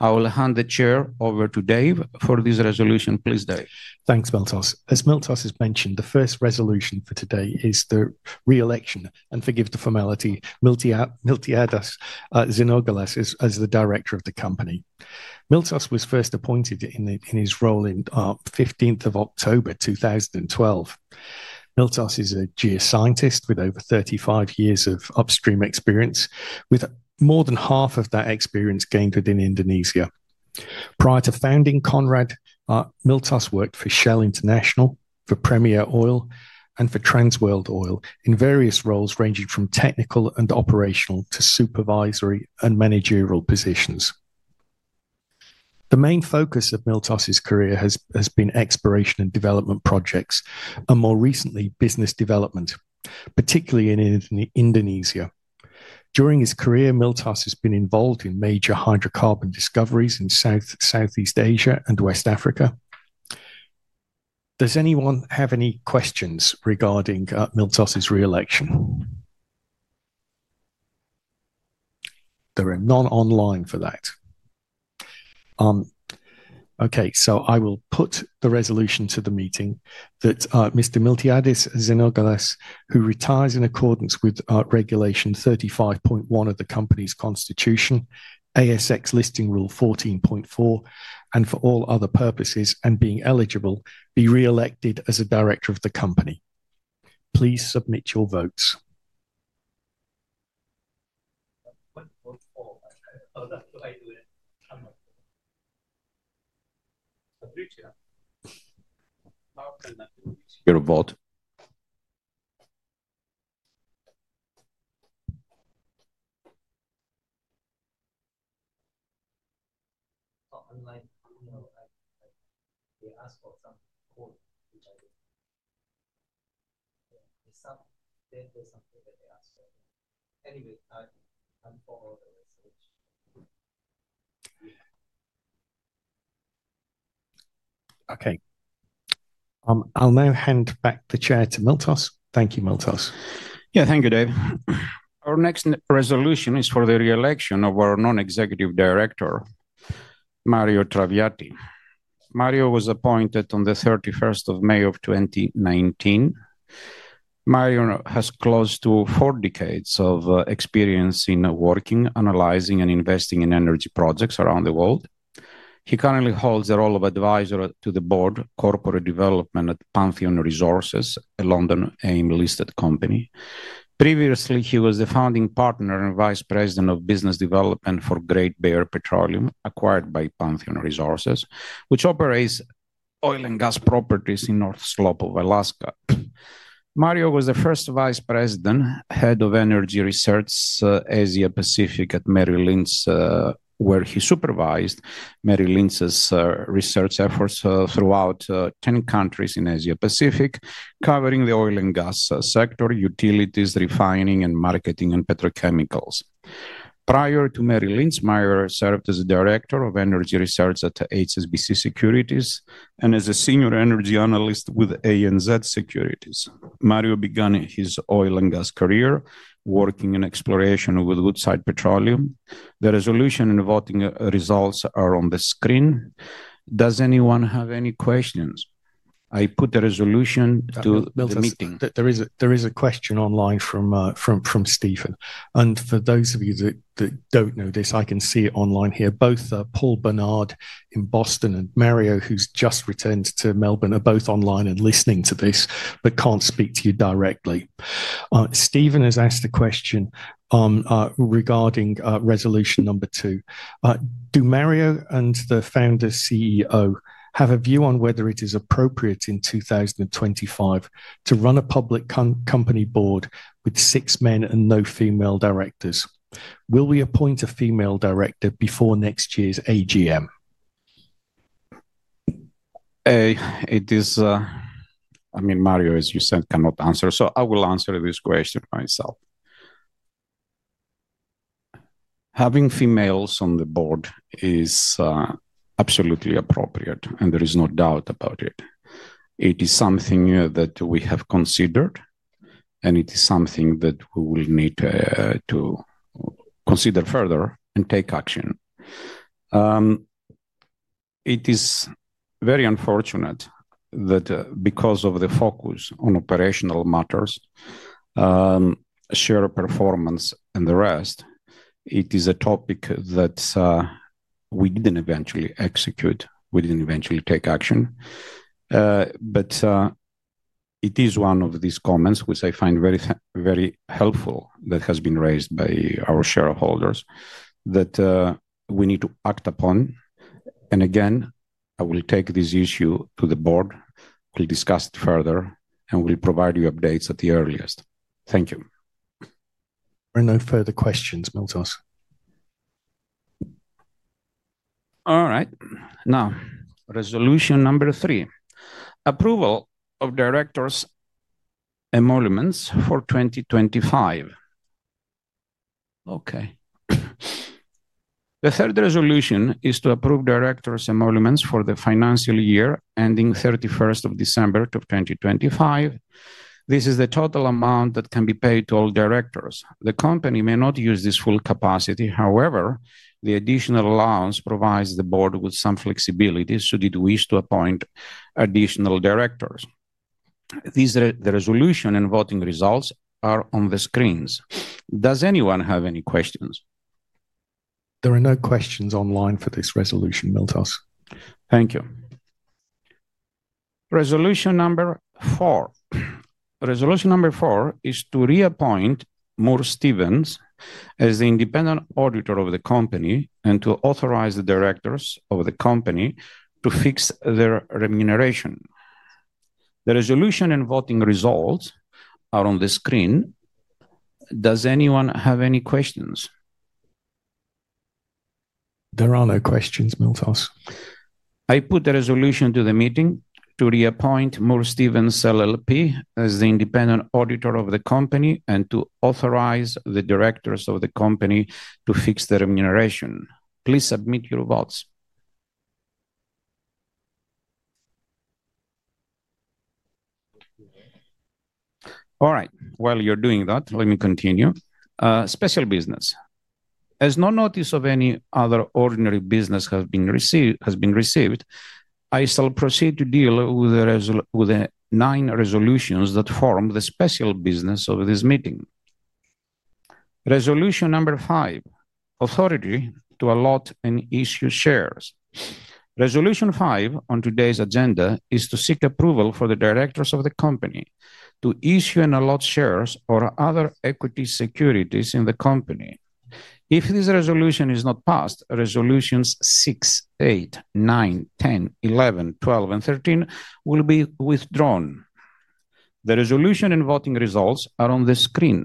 I will hand the chair over to Dave for this resolution. Please, Dave. Thanks, Miltos. As Miltos has mentioned, the first resolution for today is the re-election, and forgive the formality, Miltiadis Sinogulos as the director of the company. Miltos was first appointed in his role on 15th of October, 2012. Miltos is a geoscientist with over 35 years of upstream experience, with more than half of that experience gained within Indonesia. Prior to founding Conrad, Miltos worked for Shell International, for Premier Oil, and for Transworld Oil in various roles ranging from technical and operational to supervisory and managerial positions. The main focus of Miltos's career has been exploration and development projects, and more recently, business development, particularly in Indonesia. During his career, Miltos has been involved in major hydrocarbon discoveries in Southeast Asia and West Africa. Does anyone have any questions regarding Miltos's re-election? There are none online for that. Okay, so I will put the resolution to the meeting that Mr. Miltiadis Sinogulos, who retires in accordance with regulation 35.1 of the company's constitution, ASX Listing Rule 14.4, and for all other purposes and being eligible, be re-elected as a director of the company. Please submit your votes. Your vote. Okay. I'll now hand back the chair to Miltos. Thank you, Miltos. Yeah, thank you, Dave. Our next resolution is for the re-election of our non-executive director, Mario Traviati. Mario was appointed on the 31st of May of 2019. Mario has close to four decades of experience in working, analyzing, and investing in energy projects around the world. He currently holds the role of advisor to the board, corporate development at Pantheon Resources, a London-listed company. Previously, he was the founding partner and vice president of business development for Great Bear Petroleum, acquired by Pantheon Resources, which operates oil and gas properties in the North Slope of Alaska. Mario was the first vice president, Head of Energy Research, Asia Pacific at Merrill Lynch, where he supervised Merrill Lynch's research efforts throughout 10 countries in Asia Pacific, covering the oil and gas sector, utilities, refining, and marketing and petrochemicals. Prior to Merrill Lynch, Mario served as a Director of Energy Research at HSBC Securities and as a senior energy analyst with ANZ Securities. Mario began his oil and gas career working in exploration with Woodside Petroleum. The resolution and voting results are on the screen. Does anyone have any questions? I put the resolution to the meeting. There is a question online from Stephen. For those of you that do not know this, I can see it online here. Both Paul Bernard in Boston and Mario, who has just returned to Melbourne, are both online and listening to this, but cannot speak to you directly. Stephen has asked a question regarding resolution number two. Do Mario and the founder CEO have a view on whether it is appropriate in 2025 to run a public company board with six men and no female directors? Will we appoint a female director before next year's AGM? I mean, Mario, as you said, cannot answer. I will answer this question myself. Having females on the board is absolutely appropriate, and there is no doubt about it. It is something that we have considered, and it is something that we will need to consider further and take action. It is very unfortunate that because of the focus on operational matters, share performance, and the rest, it is a topic that we did not eventually execute. We did not eventually take action. It is one of these comments which I find very helpful that has been raised by our shareholders that we need to act upon. Again, I will take this issue to the board. We will discuss it further, and we will provide you updates at the earliest. Thank you. There are no further questions, Miltos. All right. Now, resolution number three, approval of directors' emoluments for 2025. Okay. The third resolution is to approve directors' emoluments for the financial year ending 31st of December of 2025. This is the total amount that can be paid to all directors. The company may not use this full capacity. However, the additional allowance provides the board with some flexibility should it wish to appoint additional directors. The resolution and voting results are on the screens. Does anyone have any questions? There are no questions online for this resolution, Miltos. Thank you. Resolution number four. Resolution number four is to reappoint Moore Stephens as the independent auditor of the company and to authorize the directors of the company to fix their remuneration. The resolution and voting results are on the screen. Does anyone have any questions? There are no questions, Miltos. I put the resolution to the meeting to reappoint Moore Stephens LLP as the independent auditor of the company and to authorize the directors of the company to fix the remuneration. Please submit your votes. All right. While you're doing that, let me continue. Special business. As no notice of any other ordinary business has been received, I shall proceed to deal with the nine resolutions that form the special business of this meeting. Resolution number five, authority to allot and issue shares. Resolution five on today's agenda is to seek approval for the directors of the company to issue and allot shares or other equity securities in the company. If this resolution is not passed, resolutions 6, 8, 9, 10, 11, 12, and 13 will be withdrawn. The resolution and voting results are on the screen.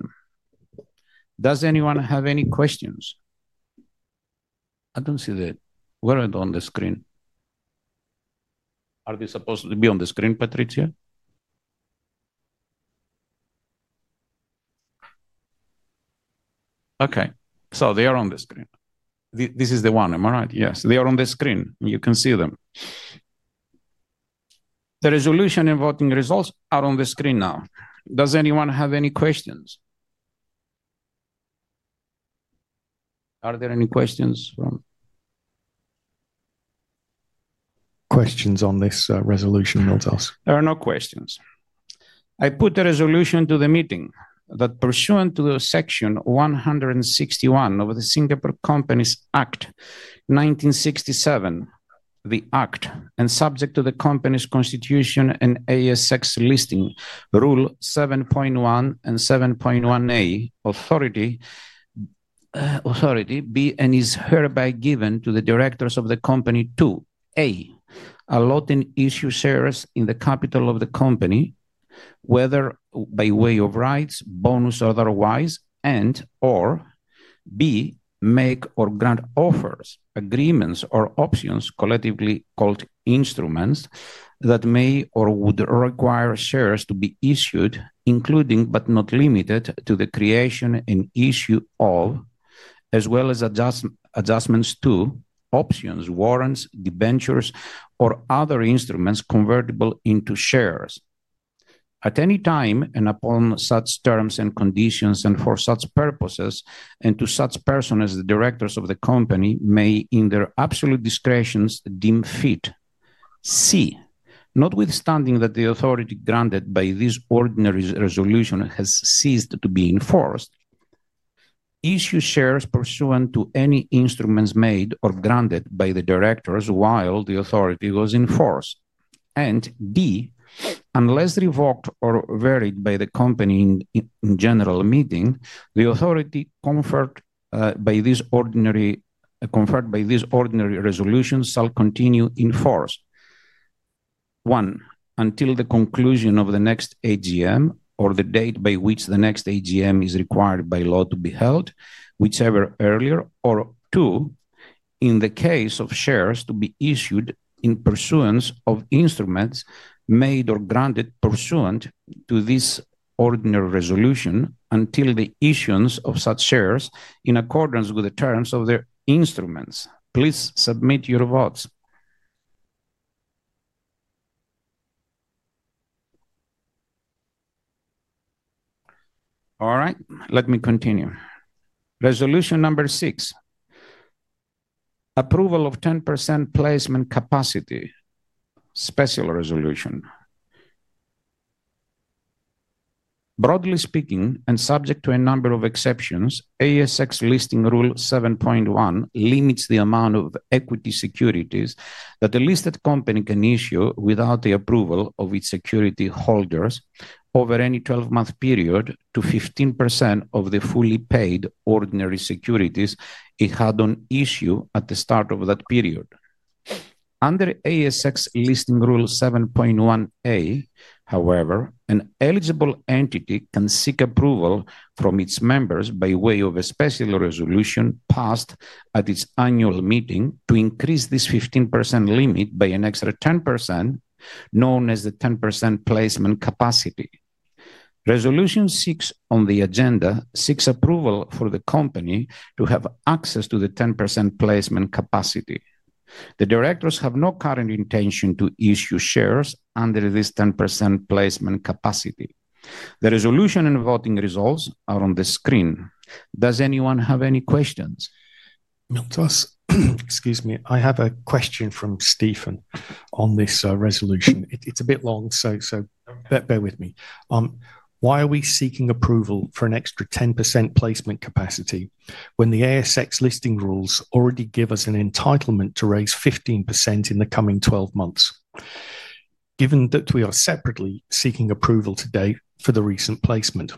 Does anyone have any questions? I don't see that. Where are they on the screen? Are they supposed to be on the screen, Patricia? Okay. So they are on the screen. This is the one, am I right? Yes, they are on the screen. You can see them. The resolution and voting results are on the screen now. Does anyone have any questions? Are there any questions from? Questions on this resolution, Miltos? There are no questions. I put the resolution to the meeting that pursuant to section 161 of the Singapore Companies Act, 1967, the Act, and subject to the company's constitution and ASX Listing Rule 7.1 and 7.1A, authority be and is hereby given to the directors of the company to: A, allot and issue shares in the capital of the company, whether by way of rights, bonus or otherwise, and/or; B, make or grant offers, agreements, or options, collectively called instruments, that may or would require shares to be issued, including, but not limited to, the creation and issue of, as well as adjustments to, options, warrants, debentures, or other instruments convertible into shares. At any time and upon such terms and conditions and for such purposes and to such persons as the directors of the company may, in their absolute discretions, deem fit. C, notwithstanding that the authority granted by this ordinary resolution has ceased to be in force, issue shares pursuant to any instruments made or granted by the directors while the authority was in force. D, unless revoked or varied by the company in general meeting, the authority conferred by this ordinary resolution shall continue in force. One, until the conclusion of the next AGM or the date by which the next AGM is required by law to be held, whichever earlier, or two, in the case of shares to be issued in pursuance of instruments made or granted pursuant to this ordinary resolution until the issuance of such shares in accordance with the terms of their instruments. Please submit your votes. All right. Let me continue. Resolution number six, approval of 10% placement capacity, special resolution. Broadly speaking, and subject to a number of exceptions, ASX Listing Rule 7.1 limits the amount of equity securities that a listed company can issue without the approval of its security holders over any 12-month period to 15% of the fully paid ordinary securities it had on issue at the start of that period. Under ASX Listing Rule 7.1A, however, an eligible entity can seek approval from its members by way of a special resolution passed at its annual meeting to increase this 15% limit by an extra 10%, known as the 10% placement capacity. Resolution six on the agenda seeks approval for the company to have access to the 10% placement capacity. The directors have no current intention to issue shares under this 10% placement capacity. The resolution and voting results are on the screen. Does anyone have any questions? Miltos, excuse me. I have a question from Stephen on this resolution. It's a bit long, so bear with me. Why are we seeking approval for an extra 10% placement capacity when the ASX Listing Rules already give us an entitlement to raise 15% in the coming 12 months, given that we are separately seeking approval today for the recent placement?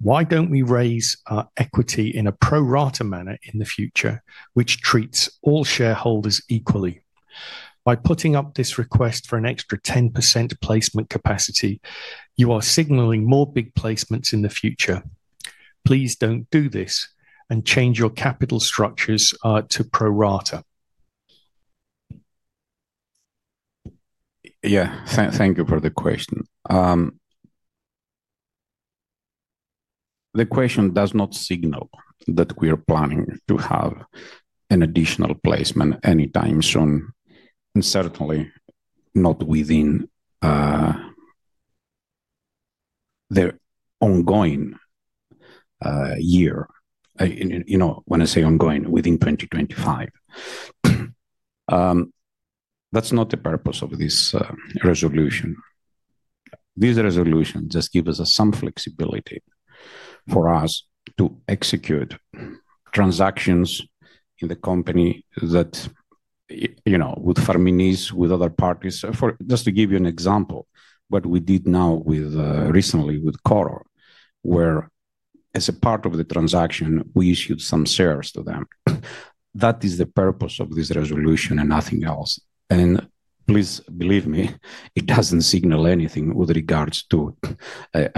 Why don't we raise equity in a pro rata manner in the future, which treats all shareholders equally? By putting up this request for an extra 10% placement capacity, you are signaling more big placements in the future. Please don't do this and change your capital structures to pro rata. Yeah. Thank you for the question. The question does not signal that we are planning to have an additional placement anytime soon, and certainly not within the ongoing year. When I say ongoing, within 2025. That's not the purpose of this resolution. This resolution just gives us some flexibility for us to execute transactions in the company with Farm-ins, with other parties. Just to give you an example, what we did recently with Coro, where as a part of the transaction, we issued some shares to them. That is the purpose of this resolution and nothing else. Please believe me, it doesn't signal anything with regards to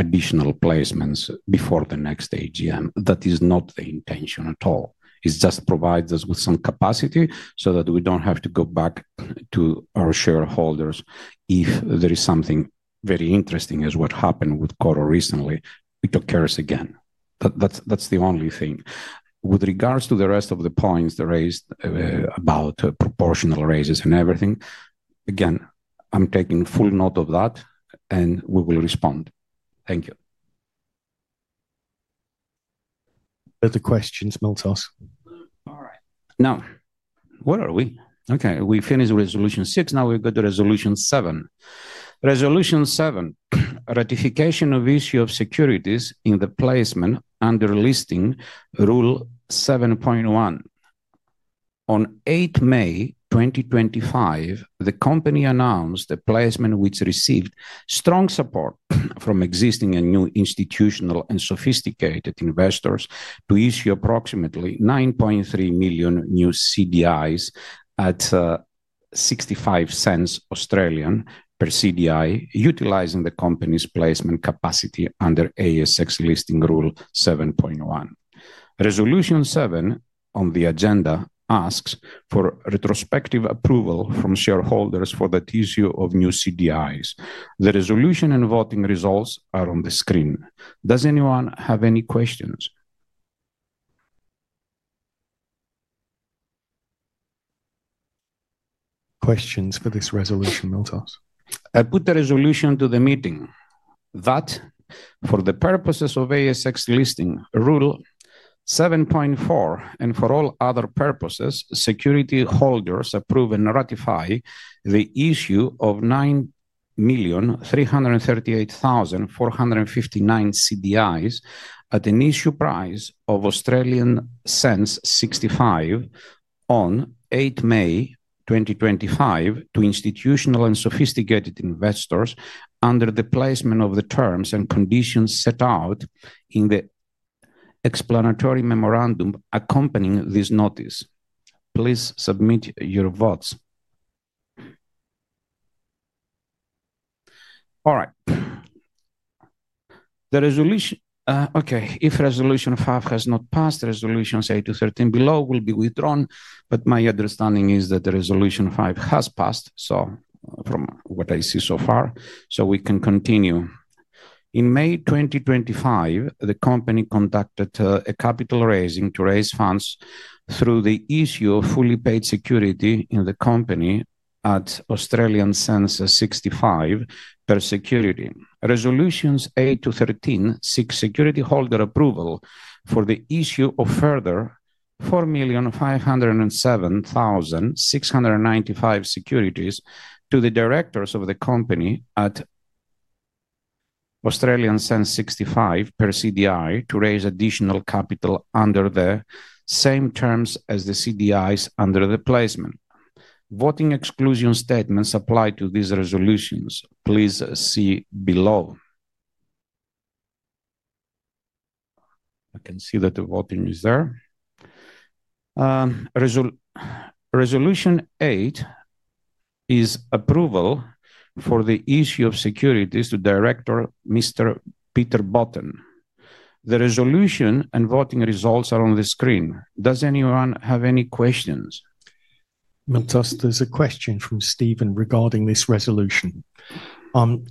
additional placements before the next AGM. That is not the intention at all. It just provides us with some capacity so that we don't have to go back to our shareholders if there is something very interesting as what happened with Coro recently. We took care of us again. That's the only thing. With regards to the rest of the points raised about proportional raises and everything, again, I'm taking full note of that, and we will respond. Thank you. Better questions, Miltos. All right. Now, where are we? Okay. We finished resolution six. Now we've got the resolution seven. Resolution seven, ratification of issue of securities in the placement under listing rule 7.1. On 8 May 2025, the company announced the placement which received strong support from existing and new institutional and sophisticated investors to issue approximately 9.3 million new CDIs at 0.65 per CDI, utilizing the company's placement capacity under ASX listing rule 7.1. Resolution seven on the agenda asks for retrospective approval from shareholders for the issue of new CDIs. The resolution and voting results are on the screen. Does anyone have any questions? Questions for this resolution, Miltos? I put the resolution to the meeting. That for the purposes of ASX Listing Rule 7.4 and for all other purposes, security holders approve and ratify the issue of 9,338,459 CDIs at an issue price of 0.65 on 8 May 2025 to institutional and sophisticated investors under the placement of the terms and conditions set out in the explanatory memorandum accompanying this notice. Please submit your votes. All right. Okay. If resolution five has not passed, resolutions 8-13 below will be withdrawn. My understanding is that resolution five has passed, from what I see so far. We can continue. In May 2025, the company conducted a capital raising to raise funds through the issue of fully paid security in the company at 0.65 per security. Resolutions 8 to 13 seek security holder approval for the issue of a further 4,507,695 securities to the directors of the company at 0.65 per CDI to raise additional capital under the same terms as the CDIs under the placement. Voting exclusion statements apply to these resolutions. Please see below. I can see that the voting is there. Resolution eight is approval for the issue of securities to Director Mr. Peter Botten. The resolution and voting results are on the screen. Does anyone have any questions? Miltos, there is a question from Stephen regarding this resolution.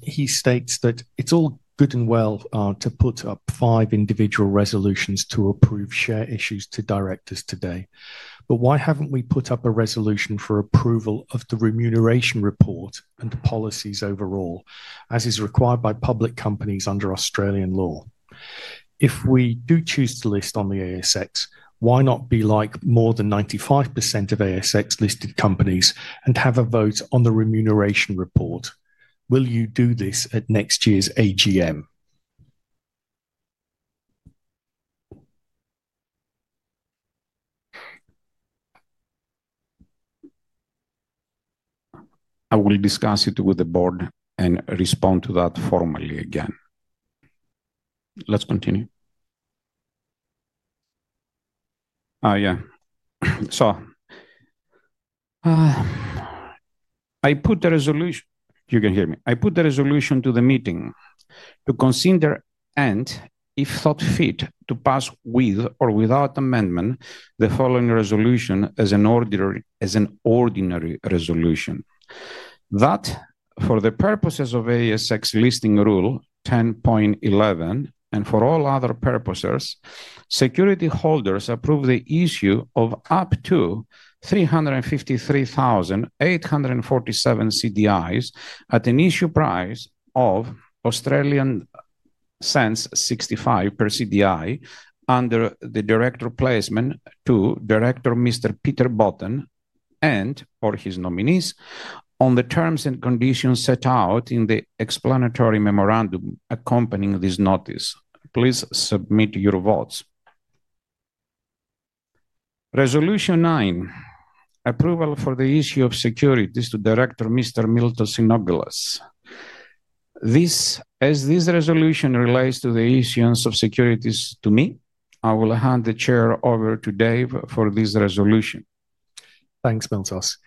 He states that it is all good and well to put up five individual resolutions to approve share issues to directors today, but why have we not put up a resolution for approval of the remuneration report and policies overall, as is required by public companies under Australian law? If we do choose to list on the ASX, why not be like more than 95% of ASX-listed companies and have a vote on the remuneration report? Will you do this at next year's AGM? I will discuss it with the board and respond to that formally again. Let's continue. Yeah. I put the resolution, you can hear me. I put the resolution to the meeting to consider and, if thought fit, to pass with or without amendment the following resolution as an ordinary resolution. That for the purposes of ASX Listing Rule 10.11 and for all other purposes, security holders approve the issue of up to 353,847 CDIs at an issue price of 0.65 per CDI under the director placement to Director Mr. Peter Botten and/or his nominees on the terms and conditions set out in the explanatory memorandum accompanying this notice. Please submit your votes. Resolution nine, approval for the issue of securities to director Mr. Miltos Xynogalas. As this resolution relates to the issuance of securities to me, I will hand the chair over to Dave for this resolution. Thanks, Miltos.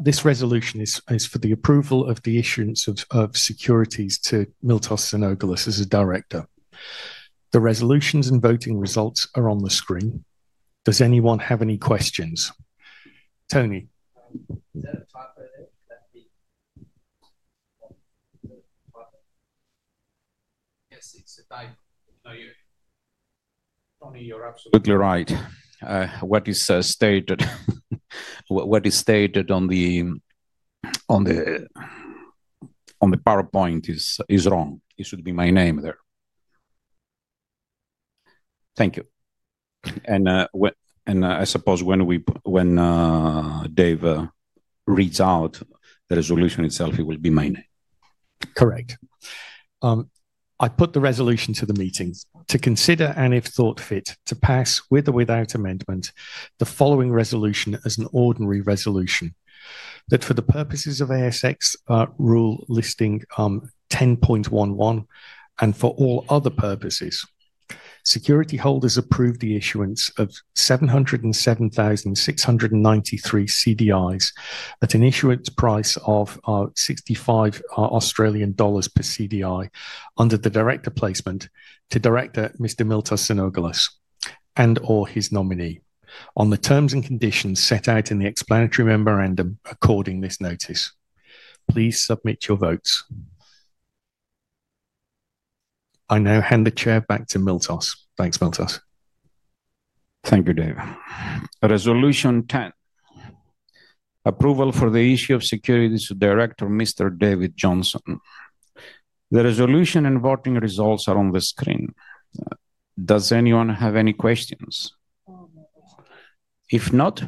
This resolution is for the approval of the issuance of securities to Miltos Xynogalas as a director. The resolutions and voting results are on the screen. Does anyone have any questions? Tony.Yes, it's Dave. Tony, you're absolutely right. What is stated on the PowerPoint is wrong. It should be my name there. Thank you. I suppose when Dave reads out the resolution itself, it will be my name. Correct.I put the resolution to the meeting to consider and, if thought fit, to pass with or without amendment the following resolution as an ordinary resolution that for the purposes of ASX Listing Rule 10.11 and for all other purposes, security holders approve the issuance of 707,693 CDIs at an issuance price of 65 Australian dollars per CDI under the director placement to Director Mr. Miltos Xynogalas and/or his nominee on the terms and conditions set out in the explanatory memorandum according to this notice. Please submit your votes. I now hand the chair back to Miltos. Thanks, Miltos. Thank you, Dave. Resolution 10, approval for the issue of securities to Director Mr. David Johnson. The resolution and voting results are on the screen. Does anyone have any questions? If not.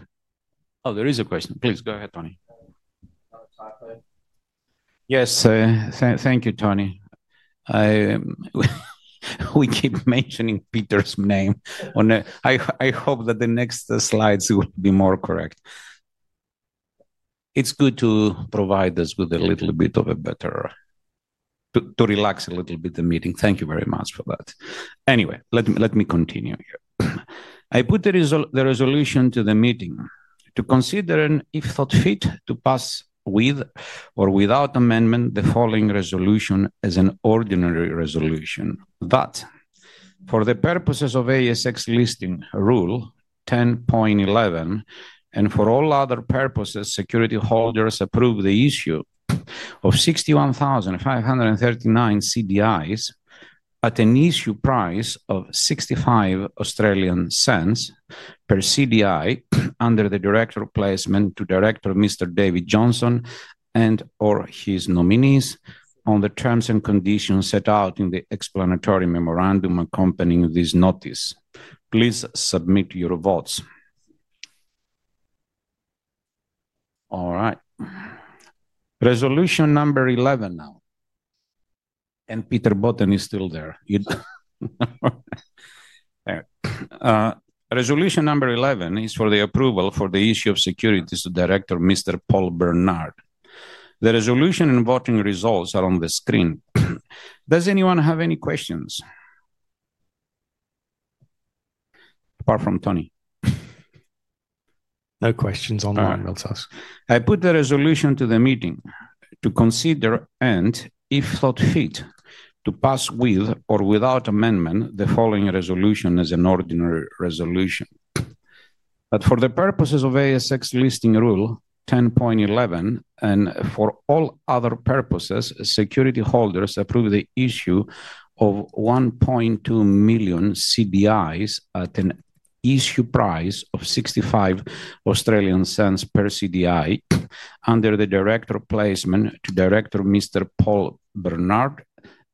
Oh, there is a question. Please go ahead, Tony.Yes. Thank you, Tony. We keep mentioning Peter's name.I hope that the next slides will be more correct. It's good to provide us with a little bit of a better to relax a little bit the meeting. Thank you very much for that. Anyway, let me continue here. I put the resolution to the meeting to consider and, if thought fit, to pass with or without amendment the following resolution as an ordinary resolution that for the purposes of ASX Listing Rule 10.11 and for all other purposes, security holders approve the issue of 61,539 CDIs at an issue price of 0.65 per CDI under the director placement to Director Mr. David Johnson and/or his nominees on the terms and conditions set out in the explanatory memorandum accompanying this notice. Please submit your votes. All right. Resolution number 11 now. Peter Botten is still there. Resolution number 11 is for the approval for the issue of securities to Director Mr. Paul Bernard. The resolution and voting results are on the screen. Does anyone have any questions? Apart from Tony. No questions on that, Miltos. I put the resolution to the meeting to consider and, if thought fit, to pass with or without amendment the following resolution as an ordinary resolution. That for the purposes of ASX Listing Rule 10.11 and for all other purposes, security holders approve the issue of 1.2 million CDIs at an issue price of 0.65 per CDI under the director placement to Director Mr. Paul Bernard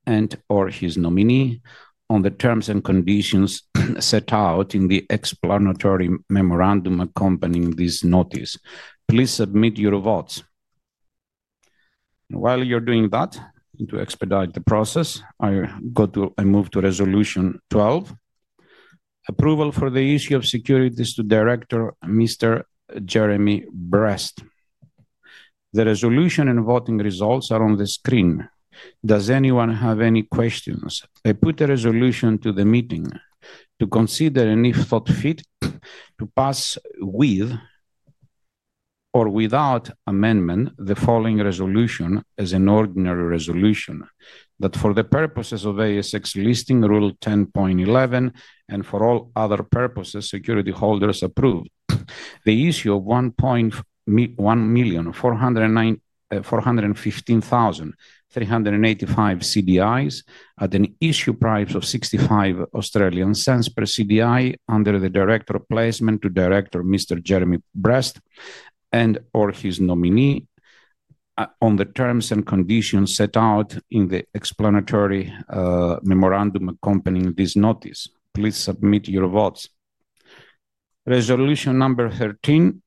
and/or his nominee on the terms and conditions set out in the explanatory memorandum accompanying this notice. Please submit your votes. While you're doing that, to expedite the process, I move to resolution 12, approval for the issue of securities to Director Mr. The resolution and voting results are on the screen. Does anyone have any questions? I put the resolution to the meeting to consider and, if thought fit, to pass with or without amendment the following resolution as an ordinary resolution that for the purposes of ASX Listing Rule 10.11 and for all other purposes, security holders approve the issue of 1,415,385 CDIs at an issue price of 0.65 per CDI under the director placement to director Mr. Jeremy Brest and/or his nominee on the terms and conditions set out in the explanatory memorandum accompanying this notice. Please submit your votes. Resolution number 13,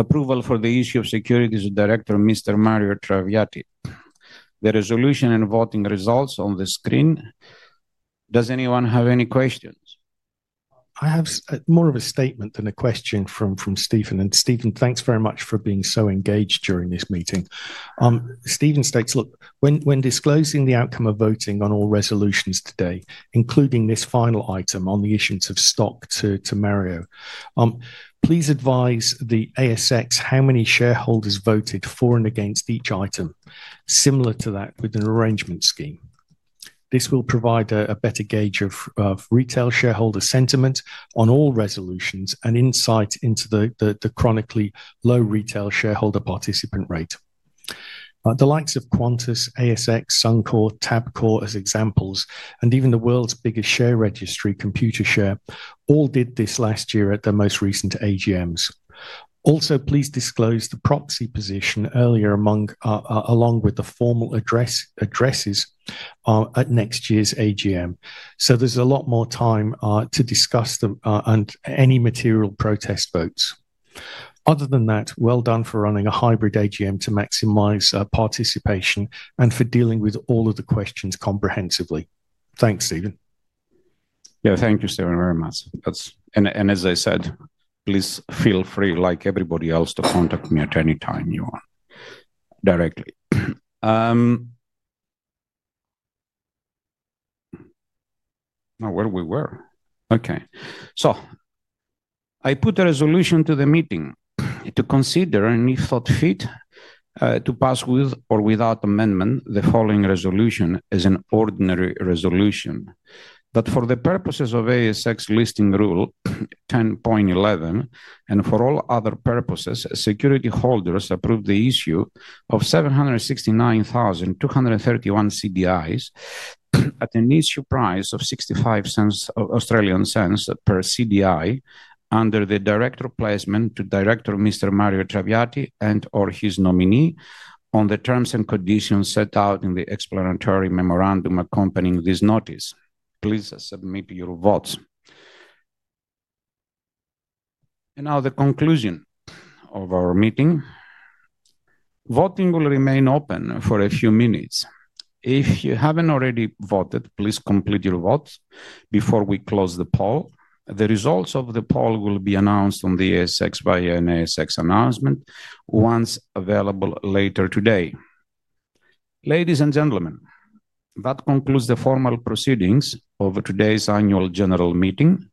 approval for the issue of securities to director Mr. Mario Traviati. The resolution and voting results on the screen. Does anyone have any questions? I have more of a statement than a question from Stephen.Stephen, thanks very much for being so engaged during this meeting. Stephen states, "Look, when disclosing the outcome of voting on all resolutions today, including this final item on the issuance of stock to Mario, please advise the ASX how many shareholders voted for and against each item, similar to that with an arrangement scheme. This will provide a better gauge of retail shareholder sentiment on all resolutions and insight into the chronically low retail shareholder participant rate. " The likes of Qantas, ASX, Suncor, Tabcorp as examples, and even the world's biggest share registry, ComputerShare, all did this last year at their most recent AGMs. Also, please disclose the proxy position earlier along with the formal addresses at next year's AGM. There is a lot more time to discuss and any material protest votes. Other than that, well done for running a hybrid AGM to maximize participation and for dealing with all of the questions comprehensively. Thanks, Stephen. Yeah, thank you, Stephen, very much. As I said, please feel free, like everybody else, to contact me at any time you want directly. Now, where we were. Okay. I put the resolution to the meeting to consider and, if thought fit, to pass with or without amendment the following resolution as an ordinary resolution that for the purposes of ASX Listing Rule 10.11 and for all other purposes, security holders approve the issue of 769,231 CDIs at an issue price of 0.65 per CDI under the director placement to director Mr. Mario Traviati and/or his nominee on the terms and conditions set out in the explanatory memorandum accompanying this notice. Please submit your votes. Now the conclusion of our meeting. Voting will remain open for a few minutes. If you haven't already voted, please complete your vote before we close the poll. The results of the poll will be announced on the ASX by an ASX announcement once available later today. Ladies and gentlemen, that concludes the formal proceedings of today's annual general meeting.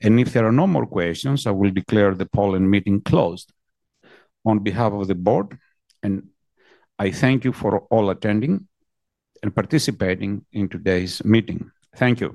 If there are no more questions, I will declare the poll and meeting closed on behalf of the board. I thank you for all attending and participating in today's meeting. Thank you.